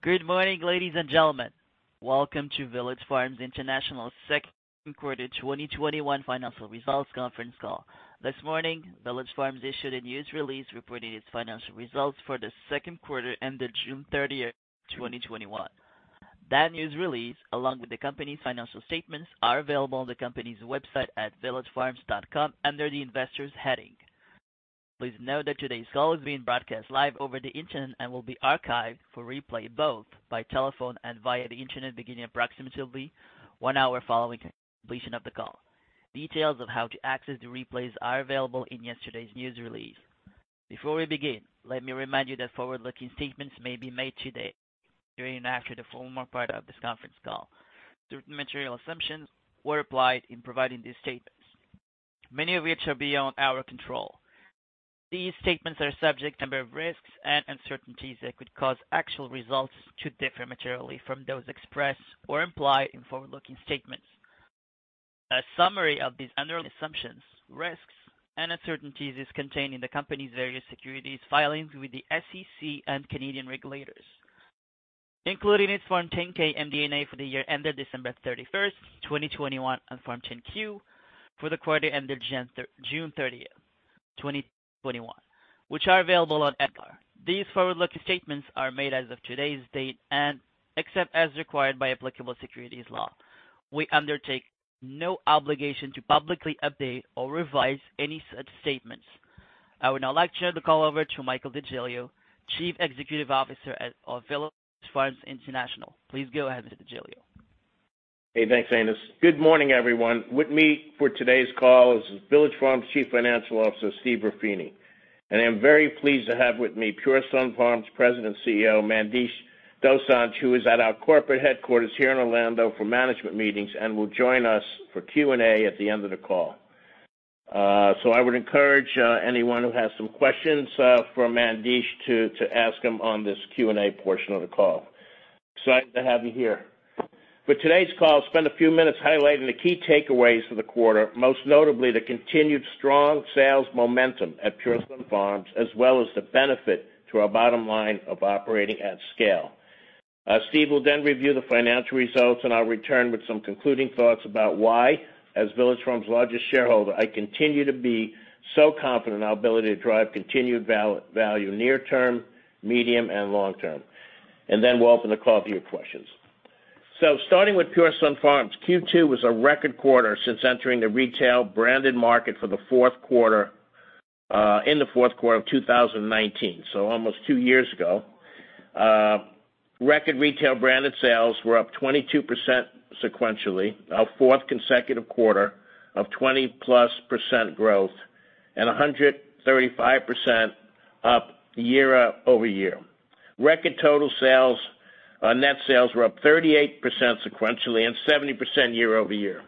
Good morning, ladies and gentlemen. Welcome to Village Farms International second quarter 2021 financial results conference call. This morning, Village Farms issued a news release reporting its financial results for the second quarter ended June 30th, 2021. That news release, along with the company's financial statements, are available on the company's website at villagefarms.com under the Investors heading. Please note that today's call is being broadcast live over the Internet and will be archived for replay, both by telephone and via the Internet beginning approximately one hour following completion of the call. Details of how to access the replays are available in yesterday's news release. Before we begin, let me remind you that forward-looking statements may be made today during and after the formal part of this conference call. Certain material assumptions were applied in providing these statements, many of which are beyond our control. These statements are subject to a number of risks and uncertainties that could cause actual results to differ materially from those expressed or implied in forward-looking statements. A summary of these underlying assumptions, risks, and uncertainties is contained in the company's various securities filings with the SEC and Canadian regulators, including its Form 10-K MD&A for the year ended December 31st, 2021, and Form 10-Q for the quarter ended June 30th, 2021, which are available on EDGAR. These forward-looking statements are made as of today's date. Except as required by applicable securities law, we undertake no obligation to publicly update or revise any such statements. I would now like to turn the call over to Michael DeGiglio, Chief Executive Officer of Village Farms International. Please go ahead, Mr. DeGiglio. Hey, thanks, Anis. Good morning, everyone. With me for today's call is Village Farms Chief Financial Officer, Steve Ruffini. I'm very pleased to have with me Pure Sunfarms President, CEO, Mandesh Dosanjh, who is at our corporate headquarters here in Orlando for management meetings and will join us for Q&A at the end of the call. I would encourage anyone who has some questions for Mandesh to ask him on this Q&A portion of the call. Excited to have you here. For today's call, I'll spend a few minutes highlighting the key takeaways for the quarter, most notably the continued strong sales momentum at Pure Sunfarms, as well as the benefit to our bottom line of operating at scale. Steve will then review the financial results, I'll return with some concluding thoughts about why, as Village Farms' largest shareholder, I continue to be so confident in our ability to drive continued value near-term, medium-term, and long-term. We'll open the call to your questions. Starting with Pure Sunfarms, Q2 was a record quarter since entering the retail branded market in the fourth quarter of 2019, almost two years ago. Record retail branded sales were up 22% sequentially, our fourth consecutive quarter of 20%+ growth, 135% up year-over-year. Record total sales, net sales were up 38% sequentially and 70% year-over-year.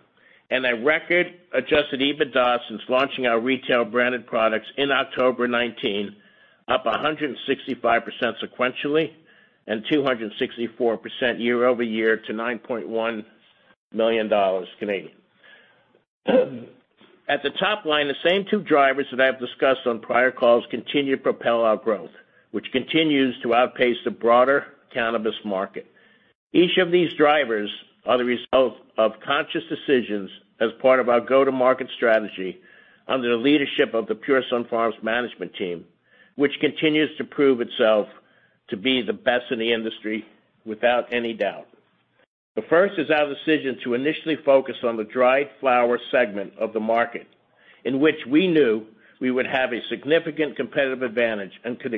A record adjusted EBITDA since launching our retail branded products in October 2019, up 165% sequentially and 264% year-over-year to 9.1 million Canadian dollars. At the top line, the same two drivers that I've discussed on prior calls continue to propel our growth, which continues to outpace the broader cannabis market. Each of these drivers are the result of conscious decisions as part of our go-to-market strategy under the leadership of the Pure Sunfarms management team, which continues to prove itself to be the best in the industry without any doubt. The first is our decision to initially focus on the dried flower segment of the market, in which we knew we would have a significant competitive advantage and could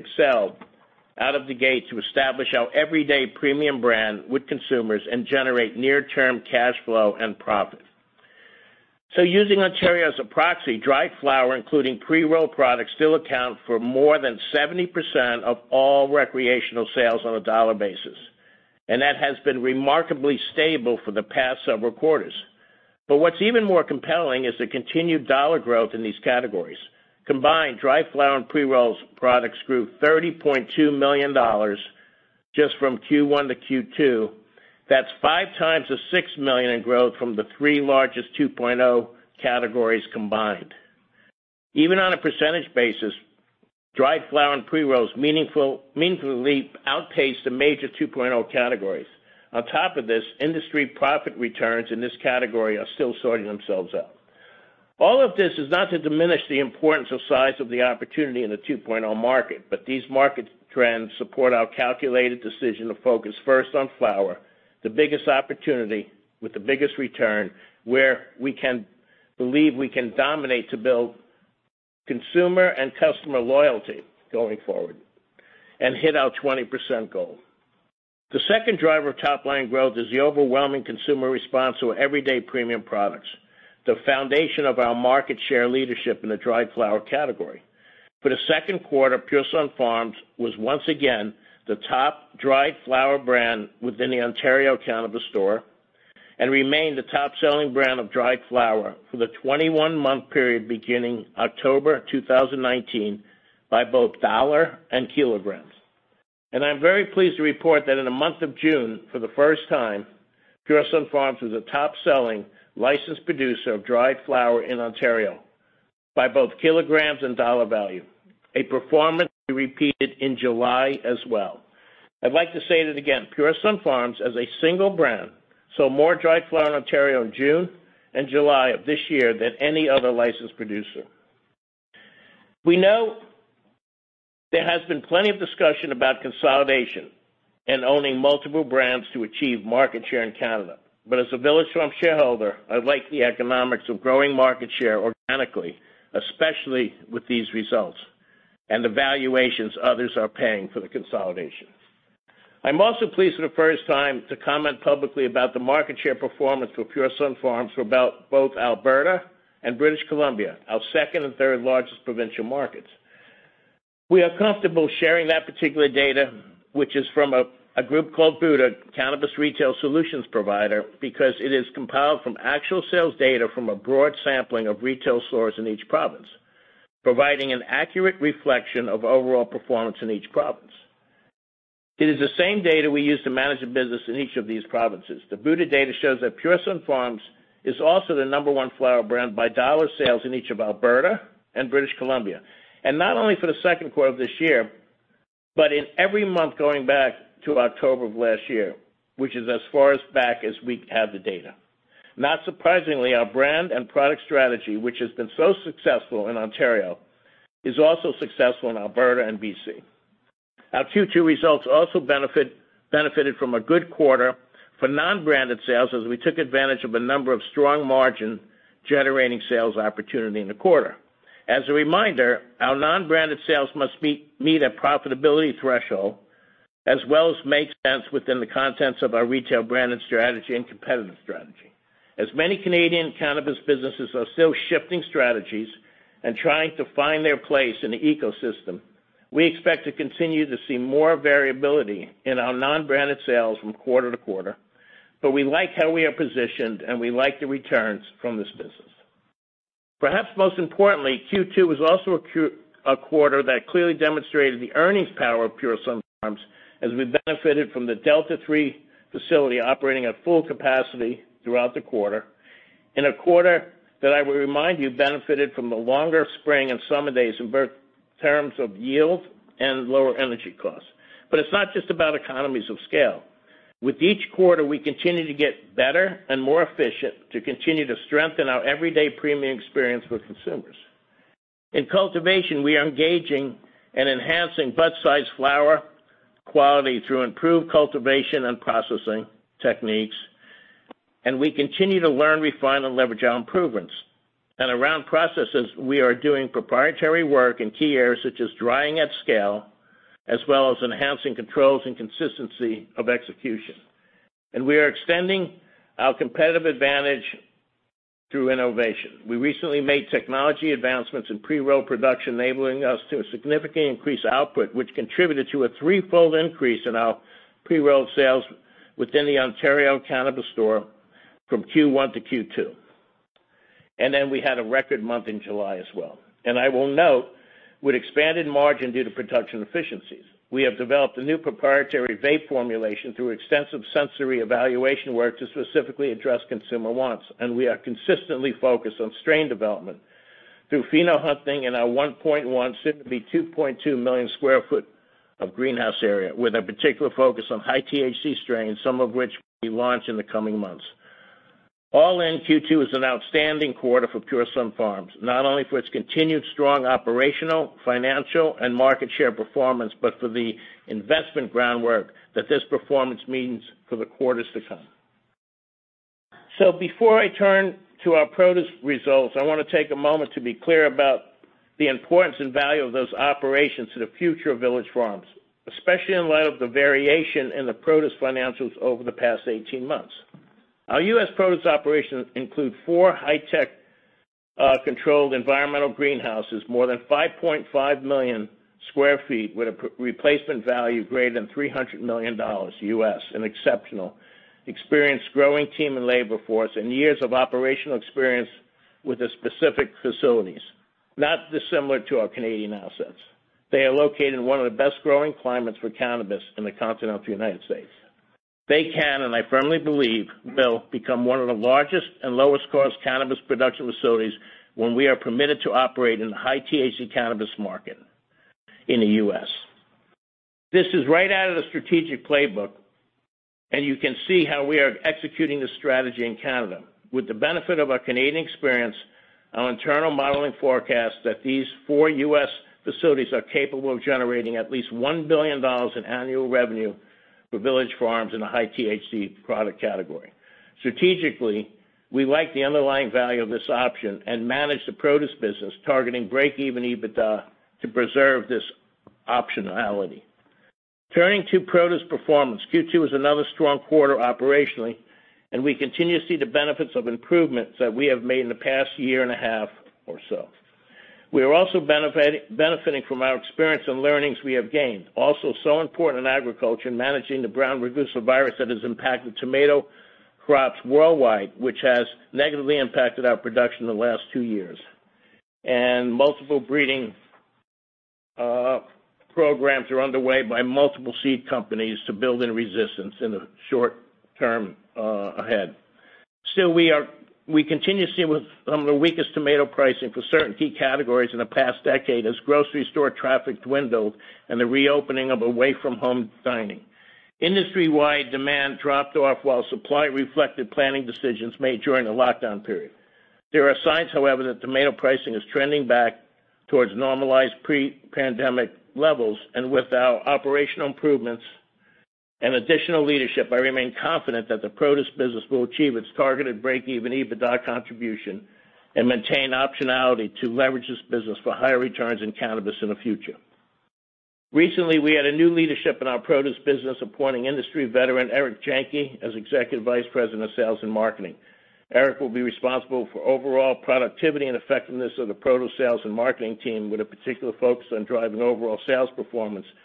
excel out of the gate to establish our everyday premium brand with consumers and generate near-term cash flow and profit. Using Ontario as a proxy, dried flower, including pre-rolled products, still account for more than 70% of all recreational sales on a dollar basis. That has been remarkably stable for the past several quarters. What's even more compelling is the continued dollar growth in these categories. Combined, dried flower and pre-rolls products grew 30.2 million dollars just from Q1 to Q2. That's 5x the 6 million in growth from the three largest 2.0 categories combined. Even on a percentage basis, dried flower and pre-rolls meaningfully outpaced the major 2.0 categories. On top of this, industry profit returns in this category are still sorting themselves out. All of this is not to diminish the importance of size of the opportunity in the 2.0 market, but these market trends support our calculated decision to focus first on flower, the biggest opportunity with the biggest return, where we believe we can dominate to build consumer and customer loyalty going forward and hit our 20% goal. The second driver of top-line growth is the overwhelming consumer response to our everyday premium products, the foundation of our market share leadership in the dried flower category. For the second quarter, Pure Sunfarms was once again the top dried flower brand within the Ontario Cannabis Store and remained the top-selling brand of dried flower for the 21-month period beginning October 2019 by both CAD and kilograms. I'm very pleased to report that in the month of June, for the first time, Pure Sunfarms was the top-selling Licensed Producer of dried flower in Ontario. By both kilograms and CAD value, a performance we repeated in July as well. I'd like to say it again, Pure Sunfarms, as a single brand, sold more dried flower in Ontario in June and July of this year than any other Licensed Producer. We know there has been plenty of discussion about consolidation and owning multiple brands to achieve market share in Canada. As a Village Farms shareholder, I like the economics of growing market share organically, especially with these results, and the valuations others are paying for the consolidation. I'm also pleased for the first time to comment publicly about the market share performance for Pure Sunfarms for both Alberta and British Columbia, our second and third largest provincial markets. We are comfortable sharing that particular data, which is from a group called Buddi, cannabis retail solutions provider, because it is compiled from actual sales data from a broad sampling of retail stores in each province, providing an accurate reflection of overall performance in each province. It is the same data we use to manage the business in each of these provinces. The Buddi data shows that Pure Sunfarms is also the number one flower brand by dollar sales in each of Alberta and British Columbia, not only for the second quarter of this year, but in every month going back to October of last year, which is as far as back as we have the data. Not surprisingly, our brand and product strategy, which has been so successful in Ontario, is also successful in Alberta and B.C. Our Q2 results also benefited from a good quarter for non-branded sales as we took advantage of a number of strong margin-generating sales opportunity in the quarter. As a reminder, our non-branded sales must meet a profitability threshold as well as make sense within the context of our retail branded strategy and competitive strategy. As many Canadian cannabis businesses are still shifting strategies and trying to find their place in the ecosystem, we expect to continue to see more variability in our non-branded sales from quarter to quarter, but we like how we are positioned, and we like the returns from this business. Perhaps most importantly, Q2 was also a quarter that clearly demonstrated the earnings power of Pure Sunfarms as we benefited from the Delta 3 facility operating at full capacity throughout the quarter, in a quarter that I will remind you benefited from the longer spring and summer days in both terms of yield and lower energy costs. It's not just about economies of scale. With each quarter, we continue to get better and more efficient to continue to strengthen our everyday premium experience with consumers. In cultivation, we are engaging and enhancing bud size flower quality through improved cultivation and processing techniques, and we continue to learn, refine, and leverage our improvements. Around processes, we are doing proprietary work in key areas such as drying at scale, as well as enhancing controls and consistency of execution. We are extending our competitive advantage through innovation. We recently made technology advancements in pre-roll production, enabling us to significantly increase output, which contributed to a three-fold increase in our pre-roll sales within the Ontario Cannabis Store from Q1 to Q2. We had a record month in July as well. I will note, with expanded margin due to production efficiencies, we have developed a new proprietary vape formulation through extensive sensory evaluation work to specifically address consumer wants, and we are consistently focused on strain development through pheno-hunting in our 1.1 soon to be 2.2 million sq ft of greenhouse area, with a particular focus on high THC strains, some of which we launch in the coming months. All in Q2 is an outstanding quarter for Pure Sunfarms, not only for its continued strong operational, financial, and market share performance, but for the investment groundwork that this performance means for the quarters to come. Before I turn to our produce results, I want to take a moment to be clear about the importance and value of those operations to the future of Village Farms, especially in light of the variation in the produce financials over the past 18 months. Our U.S. produce operations include four high-tech, controlled environmental greenhouses, more than 5.5 million sq ft with a replacement value greater than $300 million, an exceptional experienced growing team and labor force, and years of operational experience with the specific facilities, not dissimilar to our Canadian assets. They are located in one of the best growing climates for cannabis in the continental U.S. They can, and I firmly believe will, become one of the largest and lowest cost cannabis production facilities when we are permitted to operate in the high THC cannabis market in the U.S. This is right out of the strategic playbook, and you can see how we are executing the strategy in Canada. With the benefit of our Canadian experience, our internal modeling forecasts that these four U.S. facilities are capable of generating at least $1 billion in annual revenue for Village Farms in a high THC product category. Strategically, we like the underlying value of this option and manage the produce business targeting break-even EBITDA to preserve this optionality. Turning to produce performance, Q2 was another strong quarter operationally, and we continue to see the benefits of improvements that we have made in the past year and a half or so. We are also benefiting from our experience and learnings we have gained, also so important in agriculture in managing the brown rugose fruit virus that has impacted tomato crops worldwide, which has negatively impacted our production in the last two years. Multiple breeding programs are underway by multiple seed companies to build in resistance in the short term ahead. Still, we continue to see some of the weakest tomato pricing for certain key categories in the past decade as grocery store traffic dwindled and the reopening of away-from-home dining. Industry-wide demand dropped off while supply reflected planning decisions made during the lockdown period. There are signs, however, that tomato pricing is trending back towards normalized pre-pandemic levels. With our operational improvements and additional leadership, I remain confident that the produce business will achieve its targeted break-even EBITDA contribution and maintain optionality to leverage this business for higher returns in cannabis in the future. Recently, we had new leadership in our produce business, appointing industry veteran Eric Janke as Executive Vice President of Sales and Marketing. Eric will be responsible for overall productivity and effectiveness of the produce sales and marketing team, with a particular focus on driving overall sales performance and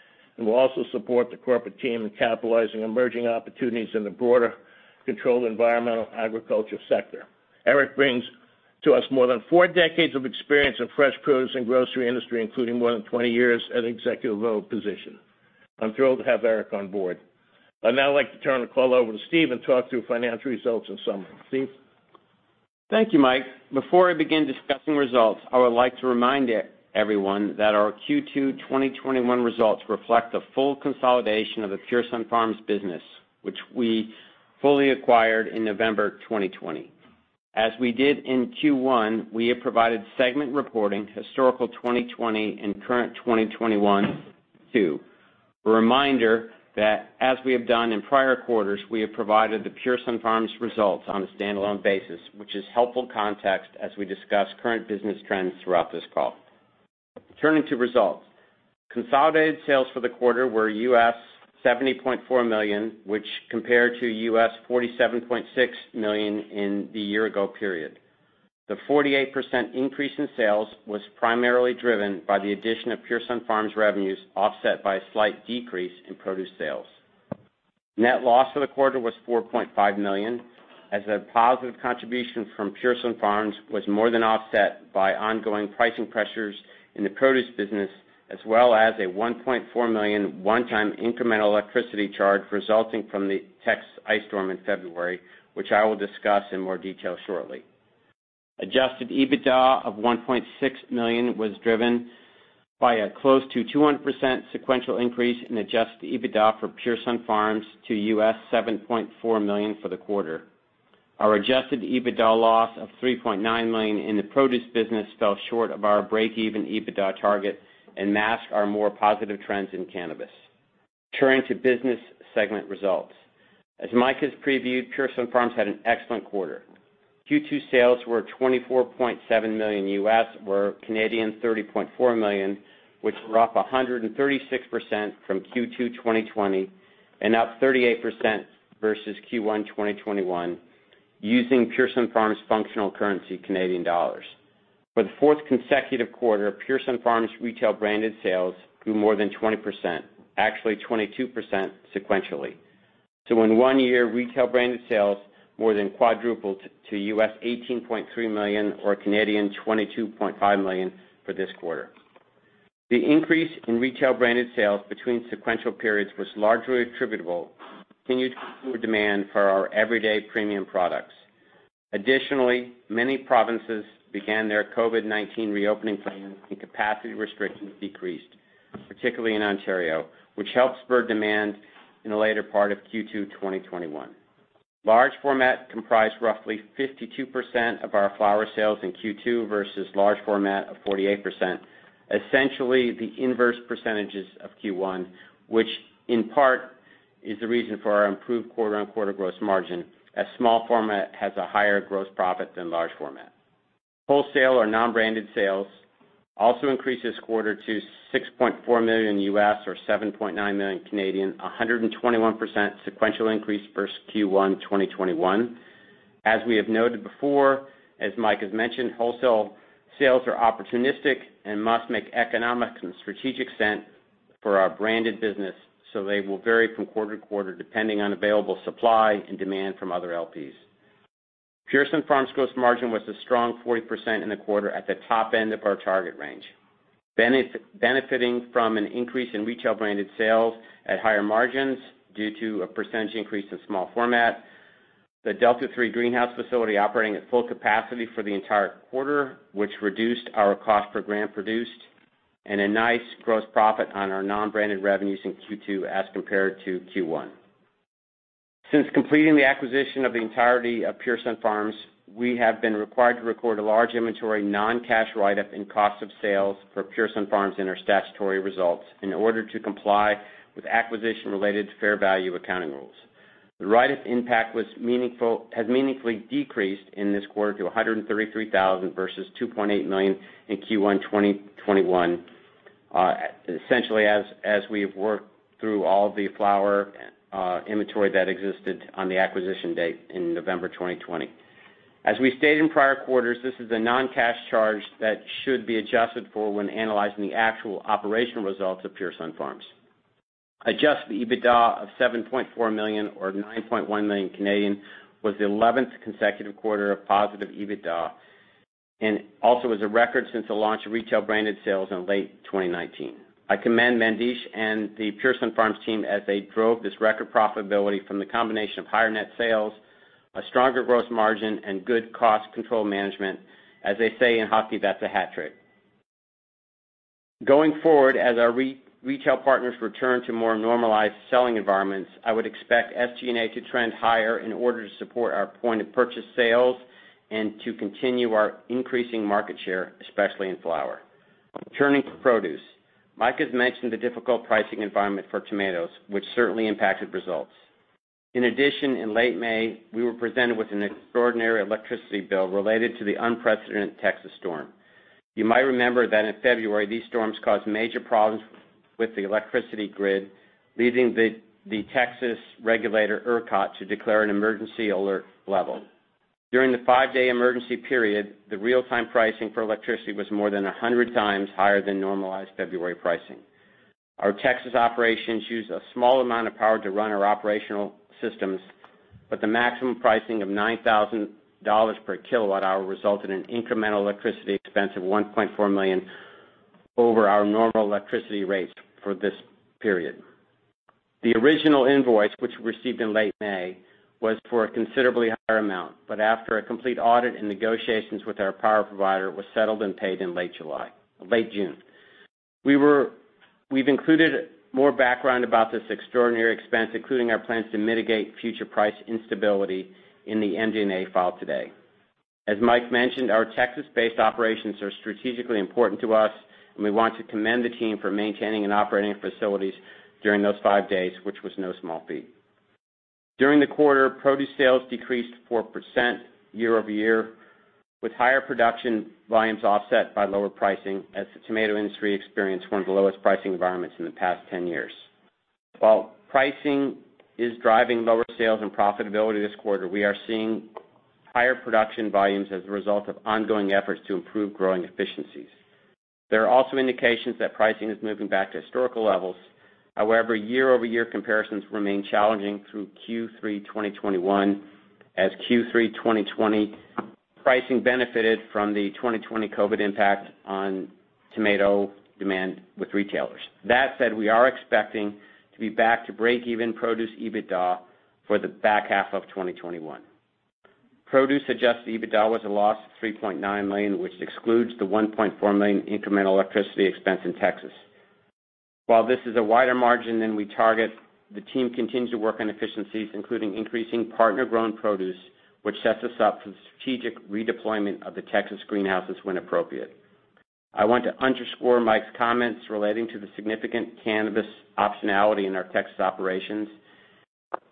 will also support the corporate team in capitalizing on emerging opportunities in the broader controlled environmental agriculture sector. Eric brings to us more than four decades of experience in fresh produce and grocery industry, including more than 20 years at an executive role position. I am thrilled to have Eric on board. I would now like to turn the call over to Steve and talk through financial results in summary. Steve? Thank you, Mike. Before I begin discussing results, I would like to remind everyone that our Q2 2021 results reflect the full consolidation of the Pure Sunfarms business, which we fully acquired in November 2020. As we did in Q1, we have provided segment reporting, historical 2020, and current 2021 too. A reminder that as we have done in prior quarters, we have provided the Pure Sunfarms results on a standalone basis, which is helpful context as we discuss current business trends throughout this call. Turning to results. Consolidated sales for the quarter were $70.4 million, which compared to $47.6 million in the year ago period. The 48% increase in sales was primarily driven by the addition of Pure Sunfarms revenues, offset by a slight decrease in produce sales. Net loss for the quarter was 4.5 million, as a positive contribution from Pure Sunfarms was more than offset by ongoing pricing pressures in the produce business, as well as a 1.4 million one-time incremental electricity charge resulting from the Texas ice storm in February, which I will discuss in more detail shortly. Adjusted EBITDA of 1.6 million was driven by a close to 200% sequential increase in Adjusted EBITDA for Pure Sunfarms to US$7.4 million for the quarter. Our Adjusted EBITDA loss of 3.9 million in the produce business fell short of our break-even EBITDA target and masked our more positive trends in cannabis. Turning to business segment results. As Mike has previewed, Pure Sunfarms had an excellent quarter. Q2 sales were $24.7 million, or 30.4 million, which were up 136% from Q2 2020 and up 38% versus Q1 2021 using Pure Sunfarms functional currency, Canadian dollars. For the fourth consecutive quarter, Pure Sunfarms retail branded sales grew more than 20%, actually 22% sequentially. In one year, retail branded sales more than quadrupled to $18.3 million or 22.5 million Canadian dollars for this quarter. The increase in retail branded sales between sequential periods was largely attributable to continued consumer demand for our everyday premium products. Additionally, many provinces began their COVID-19 reopening plans and capacity restrictions decreased, particularly in Ontario, which helped spur demand in the later part of Q2 2021. Large format comprised roughly 52% of our flower sales in Q2 versus large format of 48%, essentially the inverse percentages of Q1, which in part is the reason for our improved quarter-on-quarter gross margin, as small format has a higher gross profit than large format. Wholesale or non-branded sales also increased this quarter to $6.4 million or 7.9 million, a 121% sequential increase versus Q1 2021. As we have noted before, as Michael has mentioned, wholesale sales are opportunistic and must make economic and strategic sense for our branded business, so they will vary from quarter to quarter depending on available supply and demand from other LPs. Pure Sunfarms gross margin was a strong 40% in the quarter at the top end of our target range. Benefiting from an increase in retail branded sales at higher margins due to a percentage increase in small format, the Delta 3 greenhouse facility operating at full capacity for the entire quarter, which reduced our cost per gram produced, and a nice gross profit on our non-branded revenues in Q2 as compared to Q1. Since completing the acquisition of the entirety of Pure Sunfarms, we have been required to record a large inventory non-cash write-up in cost of sales for Pure Sunfarms in our statutory results in order to comply with acquisition-related fair value accounting rules. The write-up impact has meaningfully decreased in this quarter to $133,000 versus $2.8 million in Q1 2021, essentially as we have worked through all the flower inventory that existed on the acquisition date in November 2020. As we stated in prior quarters, this is a non-cash charge that should be adjusted for when analyzing the actual operational results of Pure Sunfarms. Adjusted EBITDA of $7.4 million or 9.1 million was the 11th consecutive quarter of positive EBITDA, and also is a record since the launch of retail branded sales in late 2019. I commend Mandesh and the Pure Sunfarms team as they drove this record profitability from the combination of higher net sales, a stronger gross margin, and good cost control management. As they say in hockey, that's a hat trick. Going forward, as our retail partners return to more normalized selling environments, I would expect SG&A to trend higher in order to support our point of purchase sales and to continue our increasing market share, especially in flower. Turning to produce. Mike has mentioned the difficult pricing environment for tomatoes, which certainly impacted results. In addition, in late May, we were presented with an extraordinary electricity bill related to the unprecedented Texas storm. You might remember that in February, these storms caused major problems with the electricity grid, leading the Texas regulator, ERCOT, to declare an emergency alert level. During the five-day emergency period, the real-time pricing for electricity was more than 100 times higher than normalized February pricing. Our Texas operations use a small amount of power to run our operational systems, but the maximum pricing of 9,000 dollars per kW hour resulted in incremental electricity expense of 1.4 million over our normal electricity rates for this period. The original invoice, which we received in late May, was for a considerably higher amount, but after a complete audit and negotiations with our power provider, was settled and paid in late June. We've included more background about this extraordinary expense, including our plans to mitigate future price instability in the MD&A file today. As Mike mentioned, our Texas-based operations are strategically important to us, and we want to commend the team for maintaining and operating facilities during those five days, which was no small feat. During the quarter, produce sales decreased 4% year-over-year, with higher production volumes offset by lower pricing as the tomato industry experienced one of the lowest pricing environments in the past 10 years. While pricing is driving lower sales and profitability this quarter, we are seeing higher production volumes as a result of ongoing efforts to improve growing efficiencies. There are also indications that pricing is moving back to historical levels. However, year-over-year comparisons remain challenging through Q3 2021 as Q3 2020 pricing benefited from the 2020 COVID impact on tomato demand with retailers. That said, we are expecting to be back to break even produce EBITDA for the back half of 2021. Produce adjusted EBITDA was a loss of $3.9 million, which excludes the $1.4 million incremental electricity expense in Texas. While this is a wider margin than we target, the team continues to work on efficiencies, including increasing partner-grown produce, which sets us up for the strategic redeployment of the Texas greenhouses when appropriate. I want to underscore Mike's comments relating to the significant cannabis optionality in our Texas operations.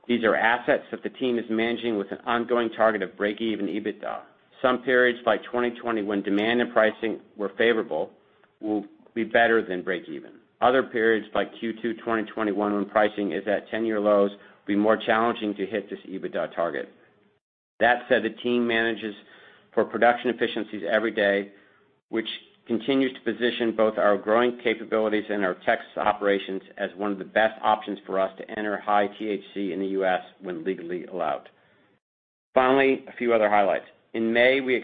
These are assets that the team is managing with an ongoing target of break-even EBITDA. Some periods, like 2020, when demand and pricing were favorable, will be better than break even. Other periods, like Q2 2021, when pricing is at 10-year lows, will be more challenging to hit this EBITDA target. That said, the team manages for production efficiencies every day, which continues to position both our growing capabilities and our Texas operations as one of the best options for us to enter high THC in the U.S. when legally allowed. Finally, a few other highlights. In May, we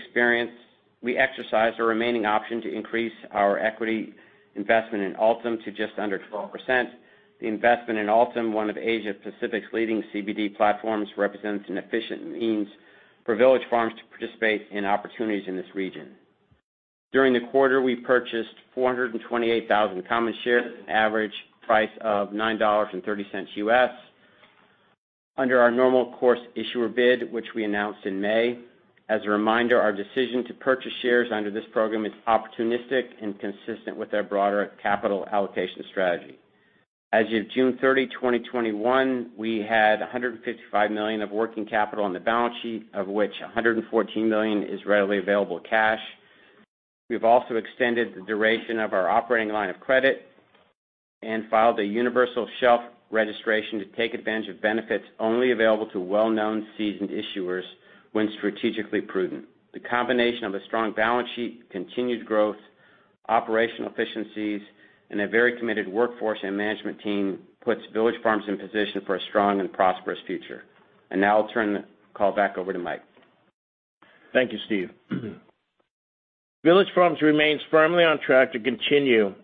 exercised our remaining option to increase our equity investment in Altum to just under 12%. The investment in Altum, one of Asia Pacific's leading CBD platforms, represents an efficient means for Village Farms to participate in opportunities in this region. During the quarter, we purchased 428,000 common shares at an average price of $9.30 under our normal course issuer bid, which we announced in May. As a reminder, our decision to purchase shares under this program is opportunistic and consistent with our broader capital allocation strategy. As of June 30, 2021, we had 155 million of working capital on the balance sheet, of which 114 million is readily available cash. We've also extended the duration of our operating line of credit and filed a universal shelf registration to take advantage of benefits only available to well-known seasoned issuers when strategically prudent. The combination of a strong balance sheet, continued growth, operational efficiencies, and a very committed workforce and management team puts Village Farms in position for a strong and prosperous future. Now, I'll turn the call back over to Mike. Thank you, Steve. Village Farms remains firmly on track to continue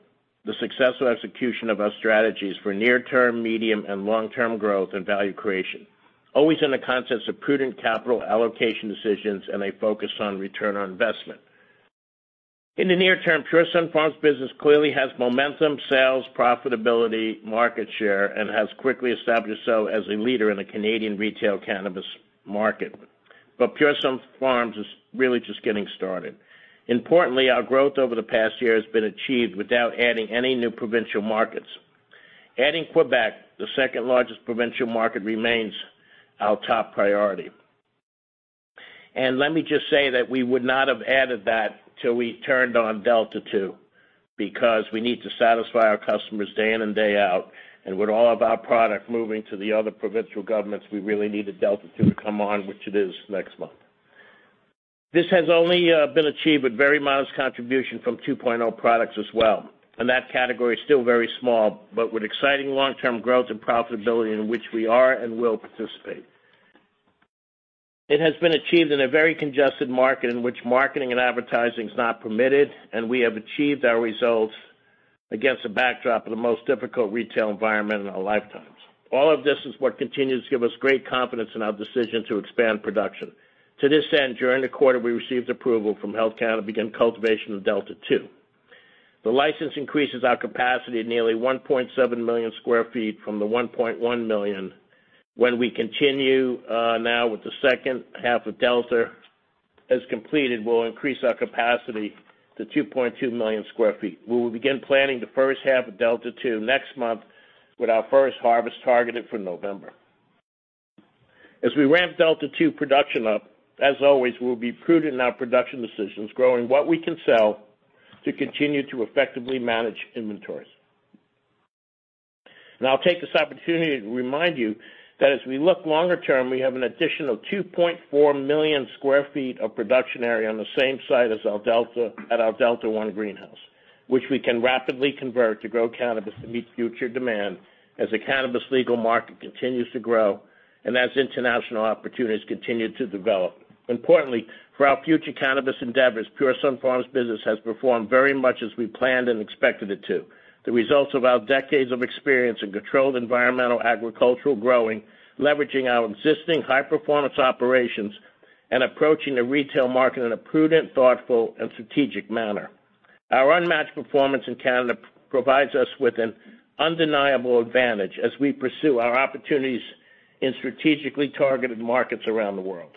the successful execution of our strategies for near-term, medium, and long-term growth and value creation, always in the context of prudent capital allocation decisions and a focus on return on investment. In the near term, Pure Sunfarms business clearly has momentum, sales, profitability, market share, and has quickly established itself as a leader in the Canadian retail cannabis market. Pure Sunfarms is really just getting started. Importantly, our growth over the past year has been achieved without adding any new provincial markets. Adding Quebec, the second largest provincial market, remains our top priority. Let me just say that we would not have added that till we turned on Delta 2, because we need to satisfy our customers day in and day out. With all of our product moving to the other provincial governments, we really needed Delta 2 to come on, which it is next month. This has only been achieved with very modest contribution from 2.0 products as well, and that category is still very small, but with exciting long-term growth and profitability in which we are and will participate. It has been achieved in a very congested market in which marketing and advertising is not permitted, and we have achieved our results against the backdrop of the most difficult retail environment in our lifetimes. All of this is what continues to give us great confidence in our decision to expand production. To this end, during the quarter, we received approval from Health Canada to begin cultivation of Delta 2. The license increases our capacity at nearly 1.7 million sq ft from the 1.1 million sq ft. We continue now with the second half of Delta, as completed, we'll increase our capacity to 2.2 million sq ft. We will begin planning the first half of Delta 2 next month with our first harvest targeted for November. We ramp Delta 2 production up, as always, we'll be prudent in our production decisions, growing what we can sell to continue to effectively manage inventories. I'll take this opportunity to remind you that as we look longer term, we have an additional 2.4 million sq ft of production area on the same site as our Delta at our Delta 1 greenhouse, which we can rapidly convert to grow cannabis to meet future demand as the cannabis legal market continues to grow and as international opportunities continue to develop. Importantly, for our future cannabis endeavors, Pure Sunfarms business has performed very much as we planned and expected it to. The results of our decades of experience in controlled environmental agricultural growing, leveraging our existing high-performance operations and approaching the retail market in a prudent, thoughtful, and strategic manner. Our unmatched performance in Canada provides us with an undeniable advantage as we pursue our opportunities in strategically targeted markets around the world.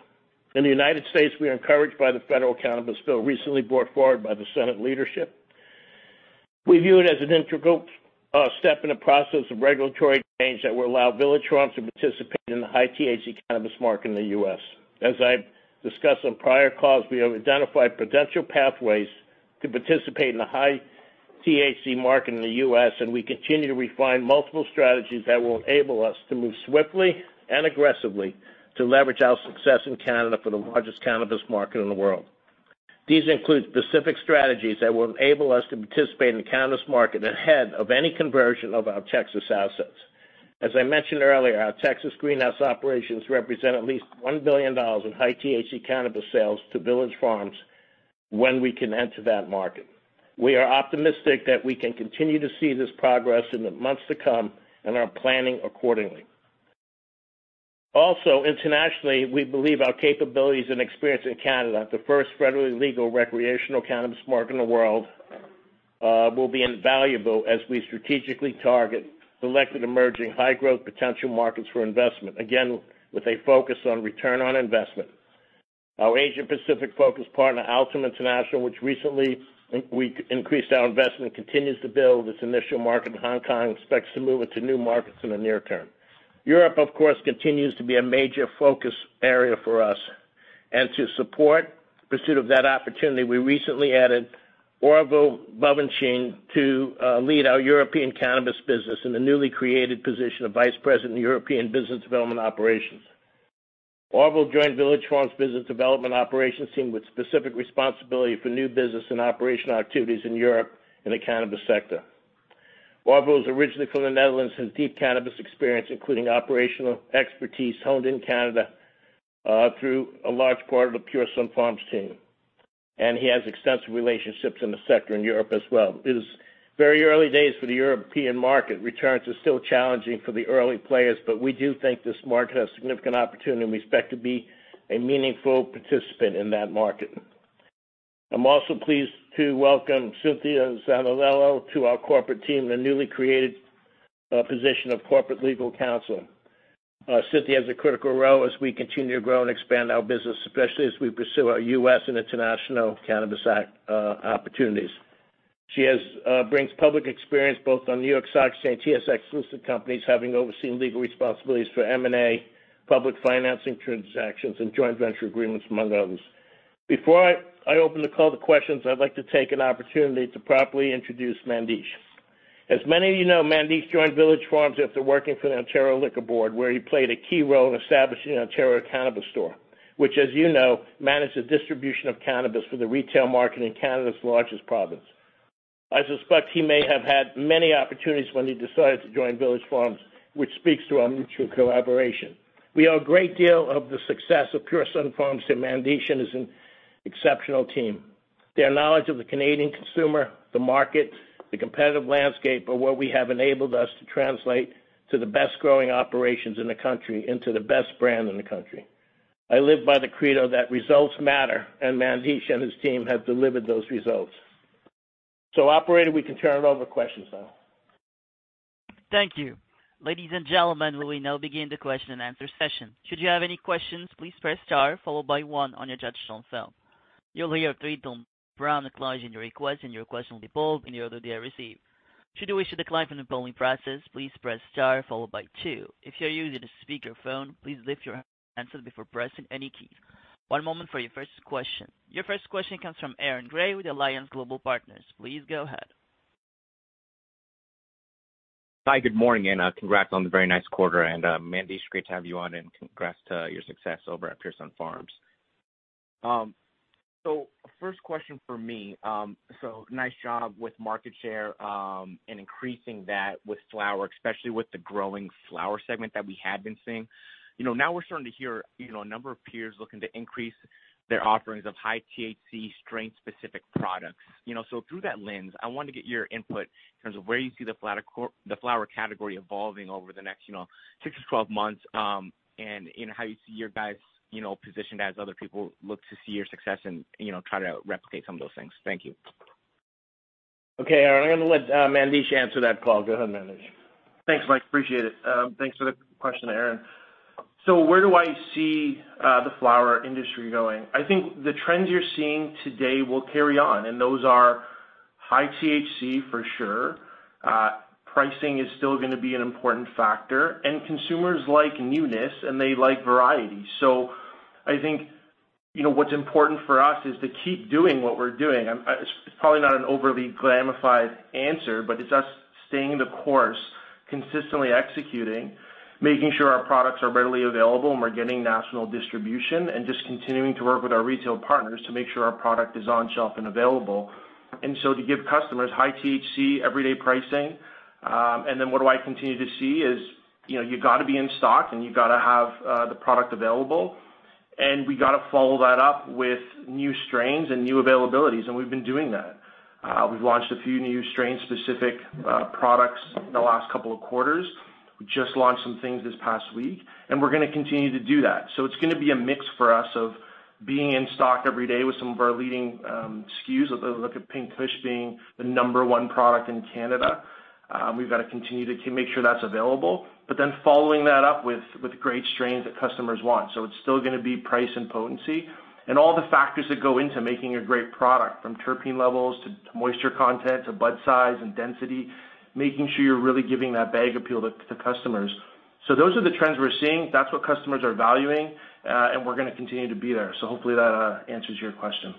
In the United States, we are encouraged by the federal cannabis bill recently brought forward by the Senate leadership. We view it as an integral step in the process of regulatory change that will allow Village Farms to participate in the high-THC cannabis market in the U.S. As I've discussed on prior calls, we have identified potential pathways to participate in the high-THC market in the U.S., and we continue to refine multiple strategies that will enable us to move swiftly and aggressively to leverage our success in Canada for the largest cannabis market in the world. These include specific strategies that will enable us to participate in the cannabis market ahead of any conversion of our Texas assets. As I mentioned earlier, our Texas greenhouse operations represent at least $1 billion in high-THC cannabis sales to Village Farms when we can enter that market. We are optimistic that we can continue to see this progress in the months to come and are planning accordingly. Also, internationally, we believe our capabilities and experience in Canada, the first federally legal recreational cannabis market in the world, will be invaluable as we strategically target selected emerging high-growth potential markets for investment, again, with a focus on return on investment. Our Asia Pacific focus partner, Altum International, which recently we increased our investment, continues to build its initial market in Hong Kong, expects to move into new markets in the near term. Europe, of course, continues to be a major focus area for us, and to support pursuit of that opportunity, we recently added Orville Bovenschen to lead our European cannabis business in the newly created position of Vice President of European Business Development Operations. Orville joined Village Farms Business Development Operations team with specific responsibility for new business and operational activities in Europe in the cannabis sector. Orville is originally from the Netherlands, has deep cannabis experience, including operational expertise honed in Canada, through a large part of the Pure Sunfarms team, and he has extensive relationships in the sector in Europe as well. It is very early days for the European market. Returns are still challenging for the early players, but we do think this market has significant opportunity and we expect to be a meaningful participant in that market. I am also pleased to welcome Cintia Zanellato to our corporate team, the newly created position of Corporate Legal Counsel. Cintia has a critical role as we continue to grow and expand our business, especially as we pursue our U.S. and international cannabis opportunities. She brings public experience both on NYSE and TSX listed companies having overseen legal responsibilities for M&A, public financing transactions, and joint venture agreements, among others. Before I open the call to questions, I'd like to take an opportunity to properly introduce Mandesh. As many of you know, Mandesh joined Village Farms after working for the Liquor Control Board of Ontario, where he played a key role in establishing Ontario Cannabis Store, which, as you know, managed the distribution of cannabis for the retail market in Canada's largest province. I suspect he may have had many opportunities when he decided to join Village Farms, which speaks to our mutual collaboration. We owe a great deal of the success of Pure Sunfarms to Mandesh and his exceptional team. Their knowledge of the Canadian consumer, the market, the competitive landscape are what we have enabled us to translate to the best-growing operations in the country and to the best brand in the country. I live by the credo that results matter. Mandesh and his team have delivered those results. Operator, we can turn it over questions now. Thank you. Ladies and gentlemen, we will now begin the question and answer session. Should you have any questions, please press star followed by one on your touchtone cell. You'll hear a three-tone prompt acknowledging your request, and your question will be pulled in the order they are received. Should you wish to decline from the polling process, please press star followed by two. If you're using a speakerphone, please lift your handset before pressing any key. One moment for your first question. Your first question comes from Aaron Grey with Alliance Global Partners. Please go ahead. Hi, good morning, congrats on the very nice quarter. Mandesh, great to have you on, and congrats to your success over at Pure Sunfarms. First question from me. Nice job with market share, and increasing that with flower, especially with the growing flower segment that we had been seeing. Now we're starting to hear a number of peers looking to increase their offerings of high THC strain-specific products. Through that lens, I wanted to get your input in terms of where you see the flower category evolving over the next 6-12 months, and how you see your guys positioned as other people look to see your success and try to replicate some of those things. Thank you. Okay, Aaron, I'm going to let Mandesh answer that call. Go ahead, Mandesh. Thanks, Mike. Appreciate it. Thanks for the question, Aaron. Where do I see the flower industry going? I think the trends you're seeing today will carry on, and those are high THC, for sure. Pricing is still going to be an important factor, and consumers like newness, and they like variety. I think what's important for us is to keep doing what we're doing. It's probably not an overly glamorized answer, but it's us staying the course, consistently executing, making sure our products are readily available, and we're getting national distribution, and just continuing to work with our retail partners to make sure our product is on shelf and available. To give customers high THC everyday pricing. What do I continue to see is you got to be in stock, and you got to have the product available. We got to follow that up with new strains and new availabilities, and we've been doing that. We've launched a few new strain-specific products in the last couple of quarters. We just launched some things this past week. We're going to continue to do that. It's going to be a mix for us of being in stock every day with some of our leading SKUs. Look at Pink Kush being the number one product in Canada. We've got to continue to make sure that's available. Following that up with great strains that customers want. It's still going to be price and potency and all the factors that go into making a great product, from terpene levels to moisture content to bud size and density, making sure you're really giving that bag appeal to customers. Those are the trends we're seeing. That's what customers are valuing. We're going to continue to be there. Hopefully that answers your question.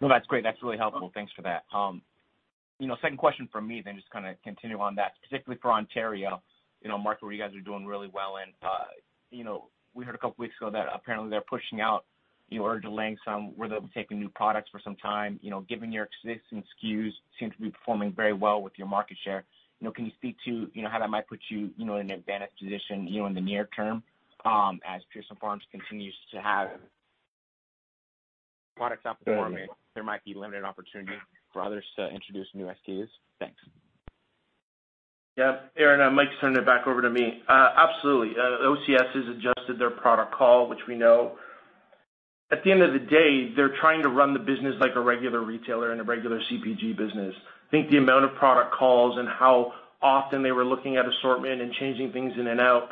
No, that's great. That's really helpful. Thanks for that. Second question from me, just kind of continue on that, particularly for Ontario, a market where you guys are doing really well in. We heard a couple weeks ago that apparently they're pushing out or delaying some, where they'll be taking new products for some time. Given your existing SKUs seem to be performing very well with your market share, can you speak to how that might put you in an advantaged position in the near term as Pure Sunfarms continues to have products out before maybe there might be limited opportunity for others to introduce new SKUs? Thanks. Yeah. Aaron, Mike's turning it back over to me. Absolutely. OCS has adjusted their product call, which we know. At the end of the day, they're trying to run the business like a regular retailer and a regular CPG business. I think the amount of product calls and how often they were looking at assortment and changing things in and out,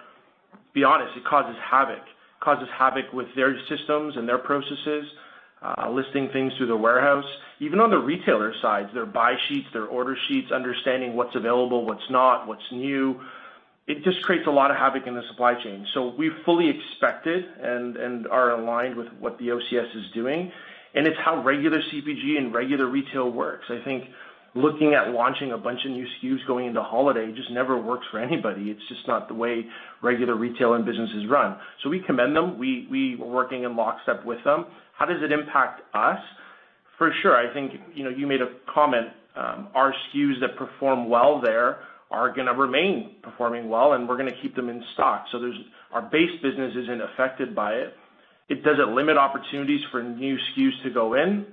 to be honest, it causes havoc with their systems and their processes, listing things through the warehouse. Even on the retailer side, their buy sheets, their order sheets, understanding what's available, what's not, what's new. It just creates a lot of havoc in the supply chain. We fully expect it and are aligned with what the OCS is doing, and it's how regular CPG and regular retail works. I think looking at launching a bunch of new SKUs going into holiday just never works for anybody. It's just not the way regular retail and business is run. We commend them. We were working in lockstep with them. How does it impact us? For sure, I think you made a comment, our SKUs that perform well there are going to remain performing well, and we're going to keep them in stock. Our base business isn't affected by it. Does it limit opportunities for new SKUs to go in?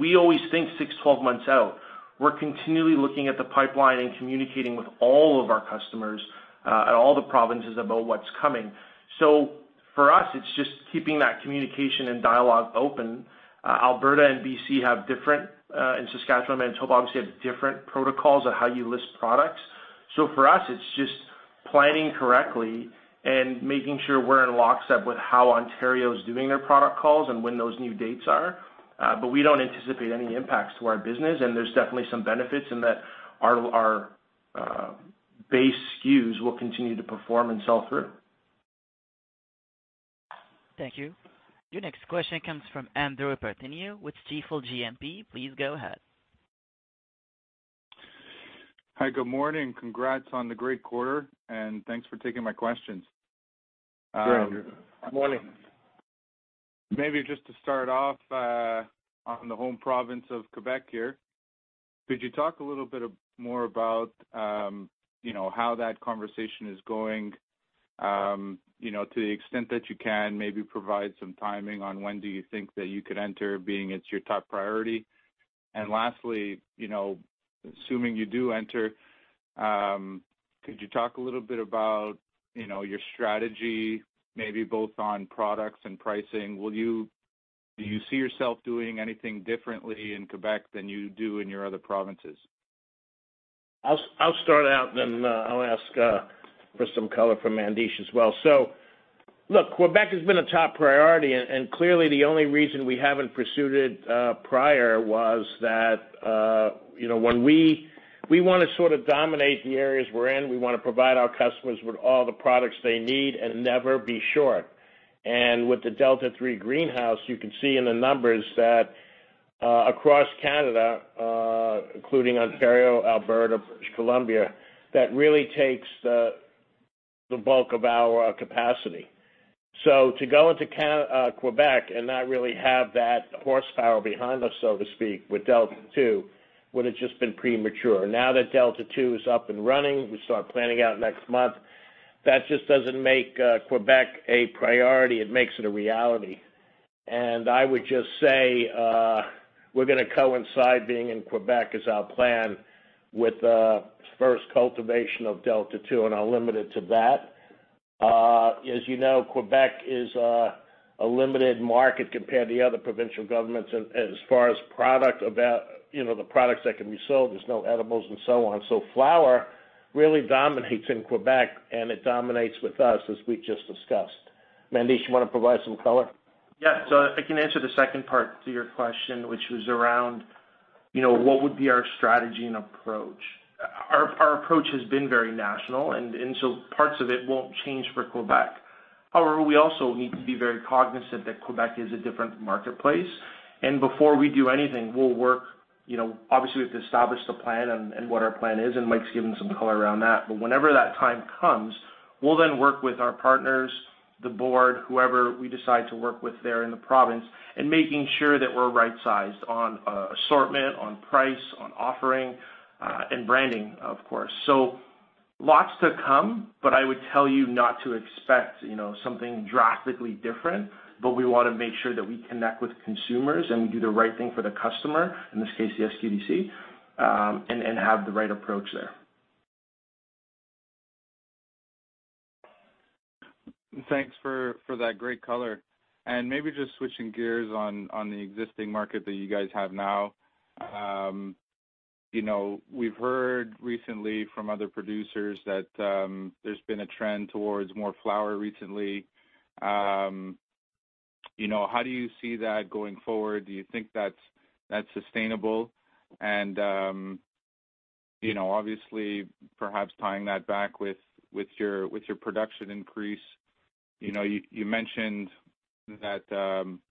We always think six, 12 months out. We're continually looking at the pipeline and communicating with all of our customers, at all the provinces about what's coming. For us, it's just keeping that communication and dialogue open. Alberta and B.C. have different, and Saskatchewan, Manitoba, obviously have different protocols of how you list products. For us, it's just planning correctly and making sure we're in lockstep with how Ontario's doing their product calls and when those new dates are. We don't anticipate any impacts to our business, and there's definitely some benefits in that our base SKUs will continue to perform and sell through. Thank you. Your next question comes from Andrew Partheniou with Stifel GMP. Please go ahead. Hi, good morning. Congrats on the great quarter. Thanks for taking my questions. Sure. Good morning. Maybe just to start off, on the home province of Quebec here. Could you talk a little bit more about how that conversation is going? To the extent that you can, maybe provide some timing on when do you think that you could enter, being it's your top priority. Lastly, assuming you do enter, could you talk a little bit about your strategy, maybe both on products and pricing? Do you see yourself doing anything differently in Quebec than you do in your other provinces? I'll start out and then I'll ask for some color from Mandesh as well. Quebec has been a top priority, and clearly the only reason we haven't pursued it prior was that we want to sort of dominate the areas we're in. We want to provide our customers with all the products they need and never be short. With the Delta 3 greenhouse, you can see in the numbers that across Canada, including Ontario, Alberta, British Columbia, that really takes the bulk of our capacity. To go into Quebec and not really have that horsepower behind us, so to speak, with Delta 2, would have just been premature. Now that Delta 2 is up and running, we start planning out next month. That just doesn't make Quebec a priority. It makes it a reality. I would just say, we're going to coincide being in Quebec as our plan with the first cultivation of Delta 2, and I'll limit it to that. As you know, Quebec is a limited market compared to the other provincial governments as far as the products that can be sold. There's no edibles and so on. Flower really dominates in Quebec, and it dominates with us, as we just discussed. Mandesh, you want to provide some color? I can answer the second part to your question, which was around what would be our strategy and approach. Our approach has been very national, parts of it won't change for Quebec. However, we also need to be very cognizant that Quebec is a different marketplace. Before we do anything, obviously, we have to establish the plan and what our plan is, and Mike's given some color around that. Whenever that time comes, we'll then work with our partners, the board, whoever we decide to work with there in the province, and making sure that we're right-sized on assortment, on price, on offering, and branding, of course. Lots to come, but I would tell you not to expect something drastically different. We want to make sure that we connect with consumers and we do the right thing for the customer, in this case, the SQDC, and have the right approach there. Thanks for that great color. Maybe just switching gears on the existing market that you guys have now. We've heard recently from other producers that there's been a trend towards more flower recently. How do you see that going forward? Do you think that's sustainable? Obviously, perhaps tying that back with your production increase. You mentioned that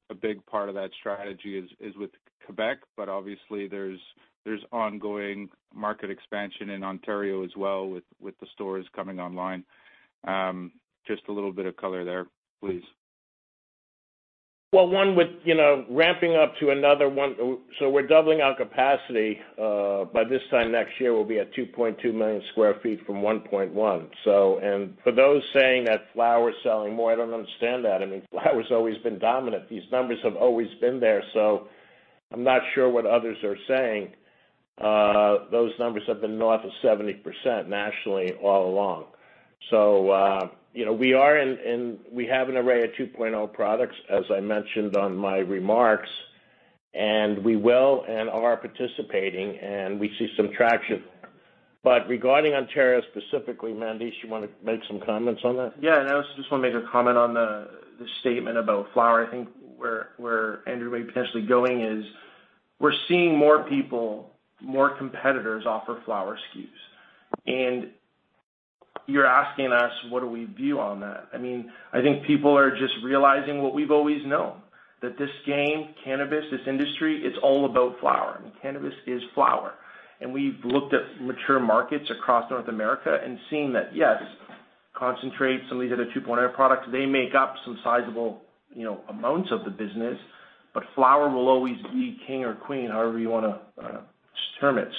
a big part of that strategy is with Quebec, but obviously there's ongoing market expansion in Ontario as well with the stores coming online. Just a little bit of color there, please. One with ramping up to another one. We're doubling our capacity. By this time next year, we'll be at 2.2 million sq ft from 1.1 million sq ft. For those saying that flower is selling more, I don't understand that. I mean, flower's always been dominant. These numbers have always been there, so I'm not sure what others are saying. Those numbers have been north of 70% nationally all along. We have an array of 2.0 products, as I mentioned on my remarks, and we will and are participating, and we see some traction there. Regarding Ontario specifically, Mandesh, you want to make some comments on that? I also just want to make a comment on the statement about flower. I think where Andrew may potentially going is, we're seeing more people, more competitors offer flower SKUs. You're asking us what do we view on that. I think people are just realizing what we've always known, that this game, cannabis, this industry, it's all about flower, and cannabis is flower. We've looked at mature markets across North America and seen that, yes, concentrates and these other 2.0 products, they make up some sizable amounts of the business, but flower will always be king or queen, however you want to determine it.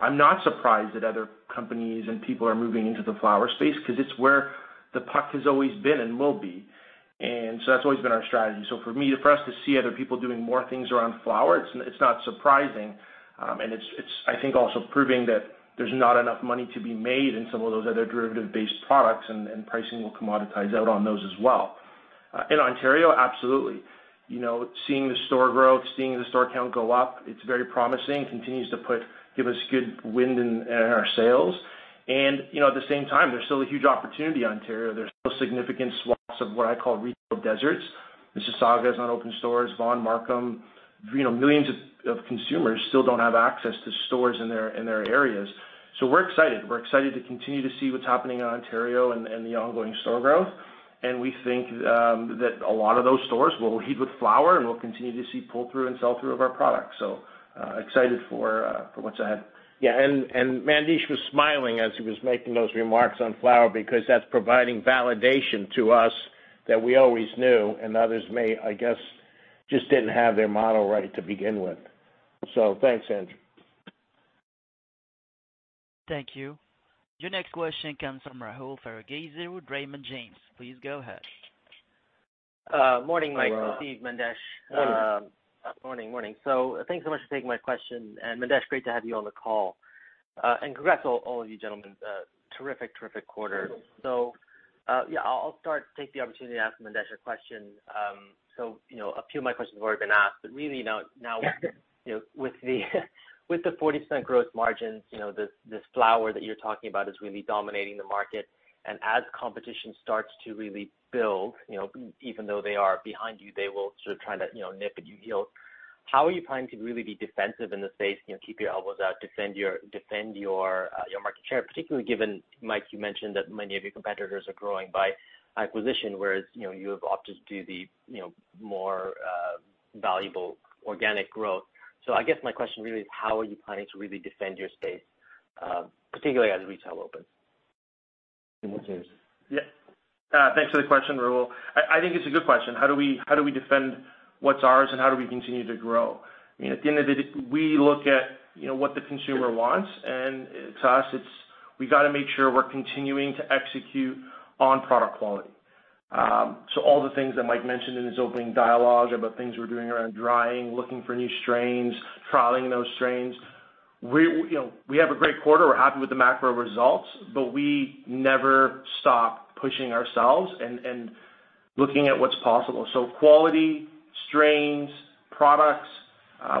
I'm not surprised that other companies and people are moving into the flower space because it's where the puck has always been and will be. That's always been our strategy. For me, for us to see other people doing more things around flower, it's not surprising. It's, I think also proving that there's not enough money to be made in some of those other derivative-based products, and pricing will commoditize out on those as well. In Ontario, absolutely. Seeing the store growth, seeing the store count go up, it's very promising. Continues to give us good wind in our sails. At the same time, there's still a huge opportunity in Ontario. There's still significant swaths of what I call retail deserts. Mississauga has not opened stores, Vaughan, Markham. Millions of consumers still don't have access to stores in their areas. We're excited. We're excited to continue to see what's happening in Ontario and the ongoing store growth. We think that a lot of those stores will hit with flower, and we'll continue to see pull-through and sell-through of our products. Excited for what's ahead. Mandesh was smiling as he was making those remarks on flower because that's providing validation to us that we always knew, and others may, I guess, just didn't have their model right to begin with. Thanks, Andrew. Thank you. Your next question comes from Rahul Sarugaser with Raymond James. Please go ahead. Morning, Mike and Steve, Mandesh. Morning. Morning. Thanks so much for taking my question. Mandesh, great to have you on the call. Congrats to all of you gentlemen. Terrific quarter. Yeah, I'll start, take the opportunity to ask Mandesh a question. A few of my questions have already been asked, but really now with the 40% gross margins, this flower that you're talking about is really dominating the market. As competition starts to really build, even though they are behind you, they will sort of try to nip at your heels. How are you planning to really be defensive in the space, keep your elbows out, defend your market share, particularly given, Mike, you mentioned that many of your competitors are growing by acquisition, whereas you have opted to do the more valuable organic growth. I guess my question really is how are you planning to really defend your space, particularly as retail opens? Yeah. Thanks for the question, Rahul. I think it's a good question. How do we defend what's ours, and how do we continue to grow? At the end of the day, we look at what the consumer wants, and to us, it's we got to make sure we're continuing to execute on product quality. All the things that Mike mentioned in his opening dialogue about things we're doing around drying, looking for new strains, trialing those strains. We have a great quarter. We're happy with the macro results, but we never stop pushing ourselves and looking at what's possible. Quality, strains, products,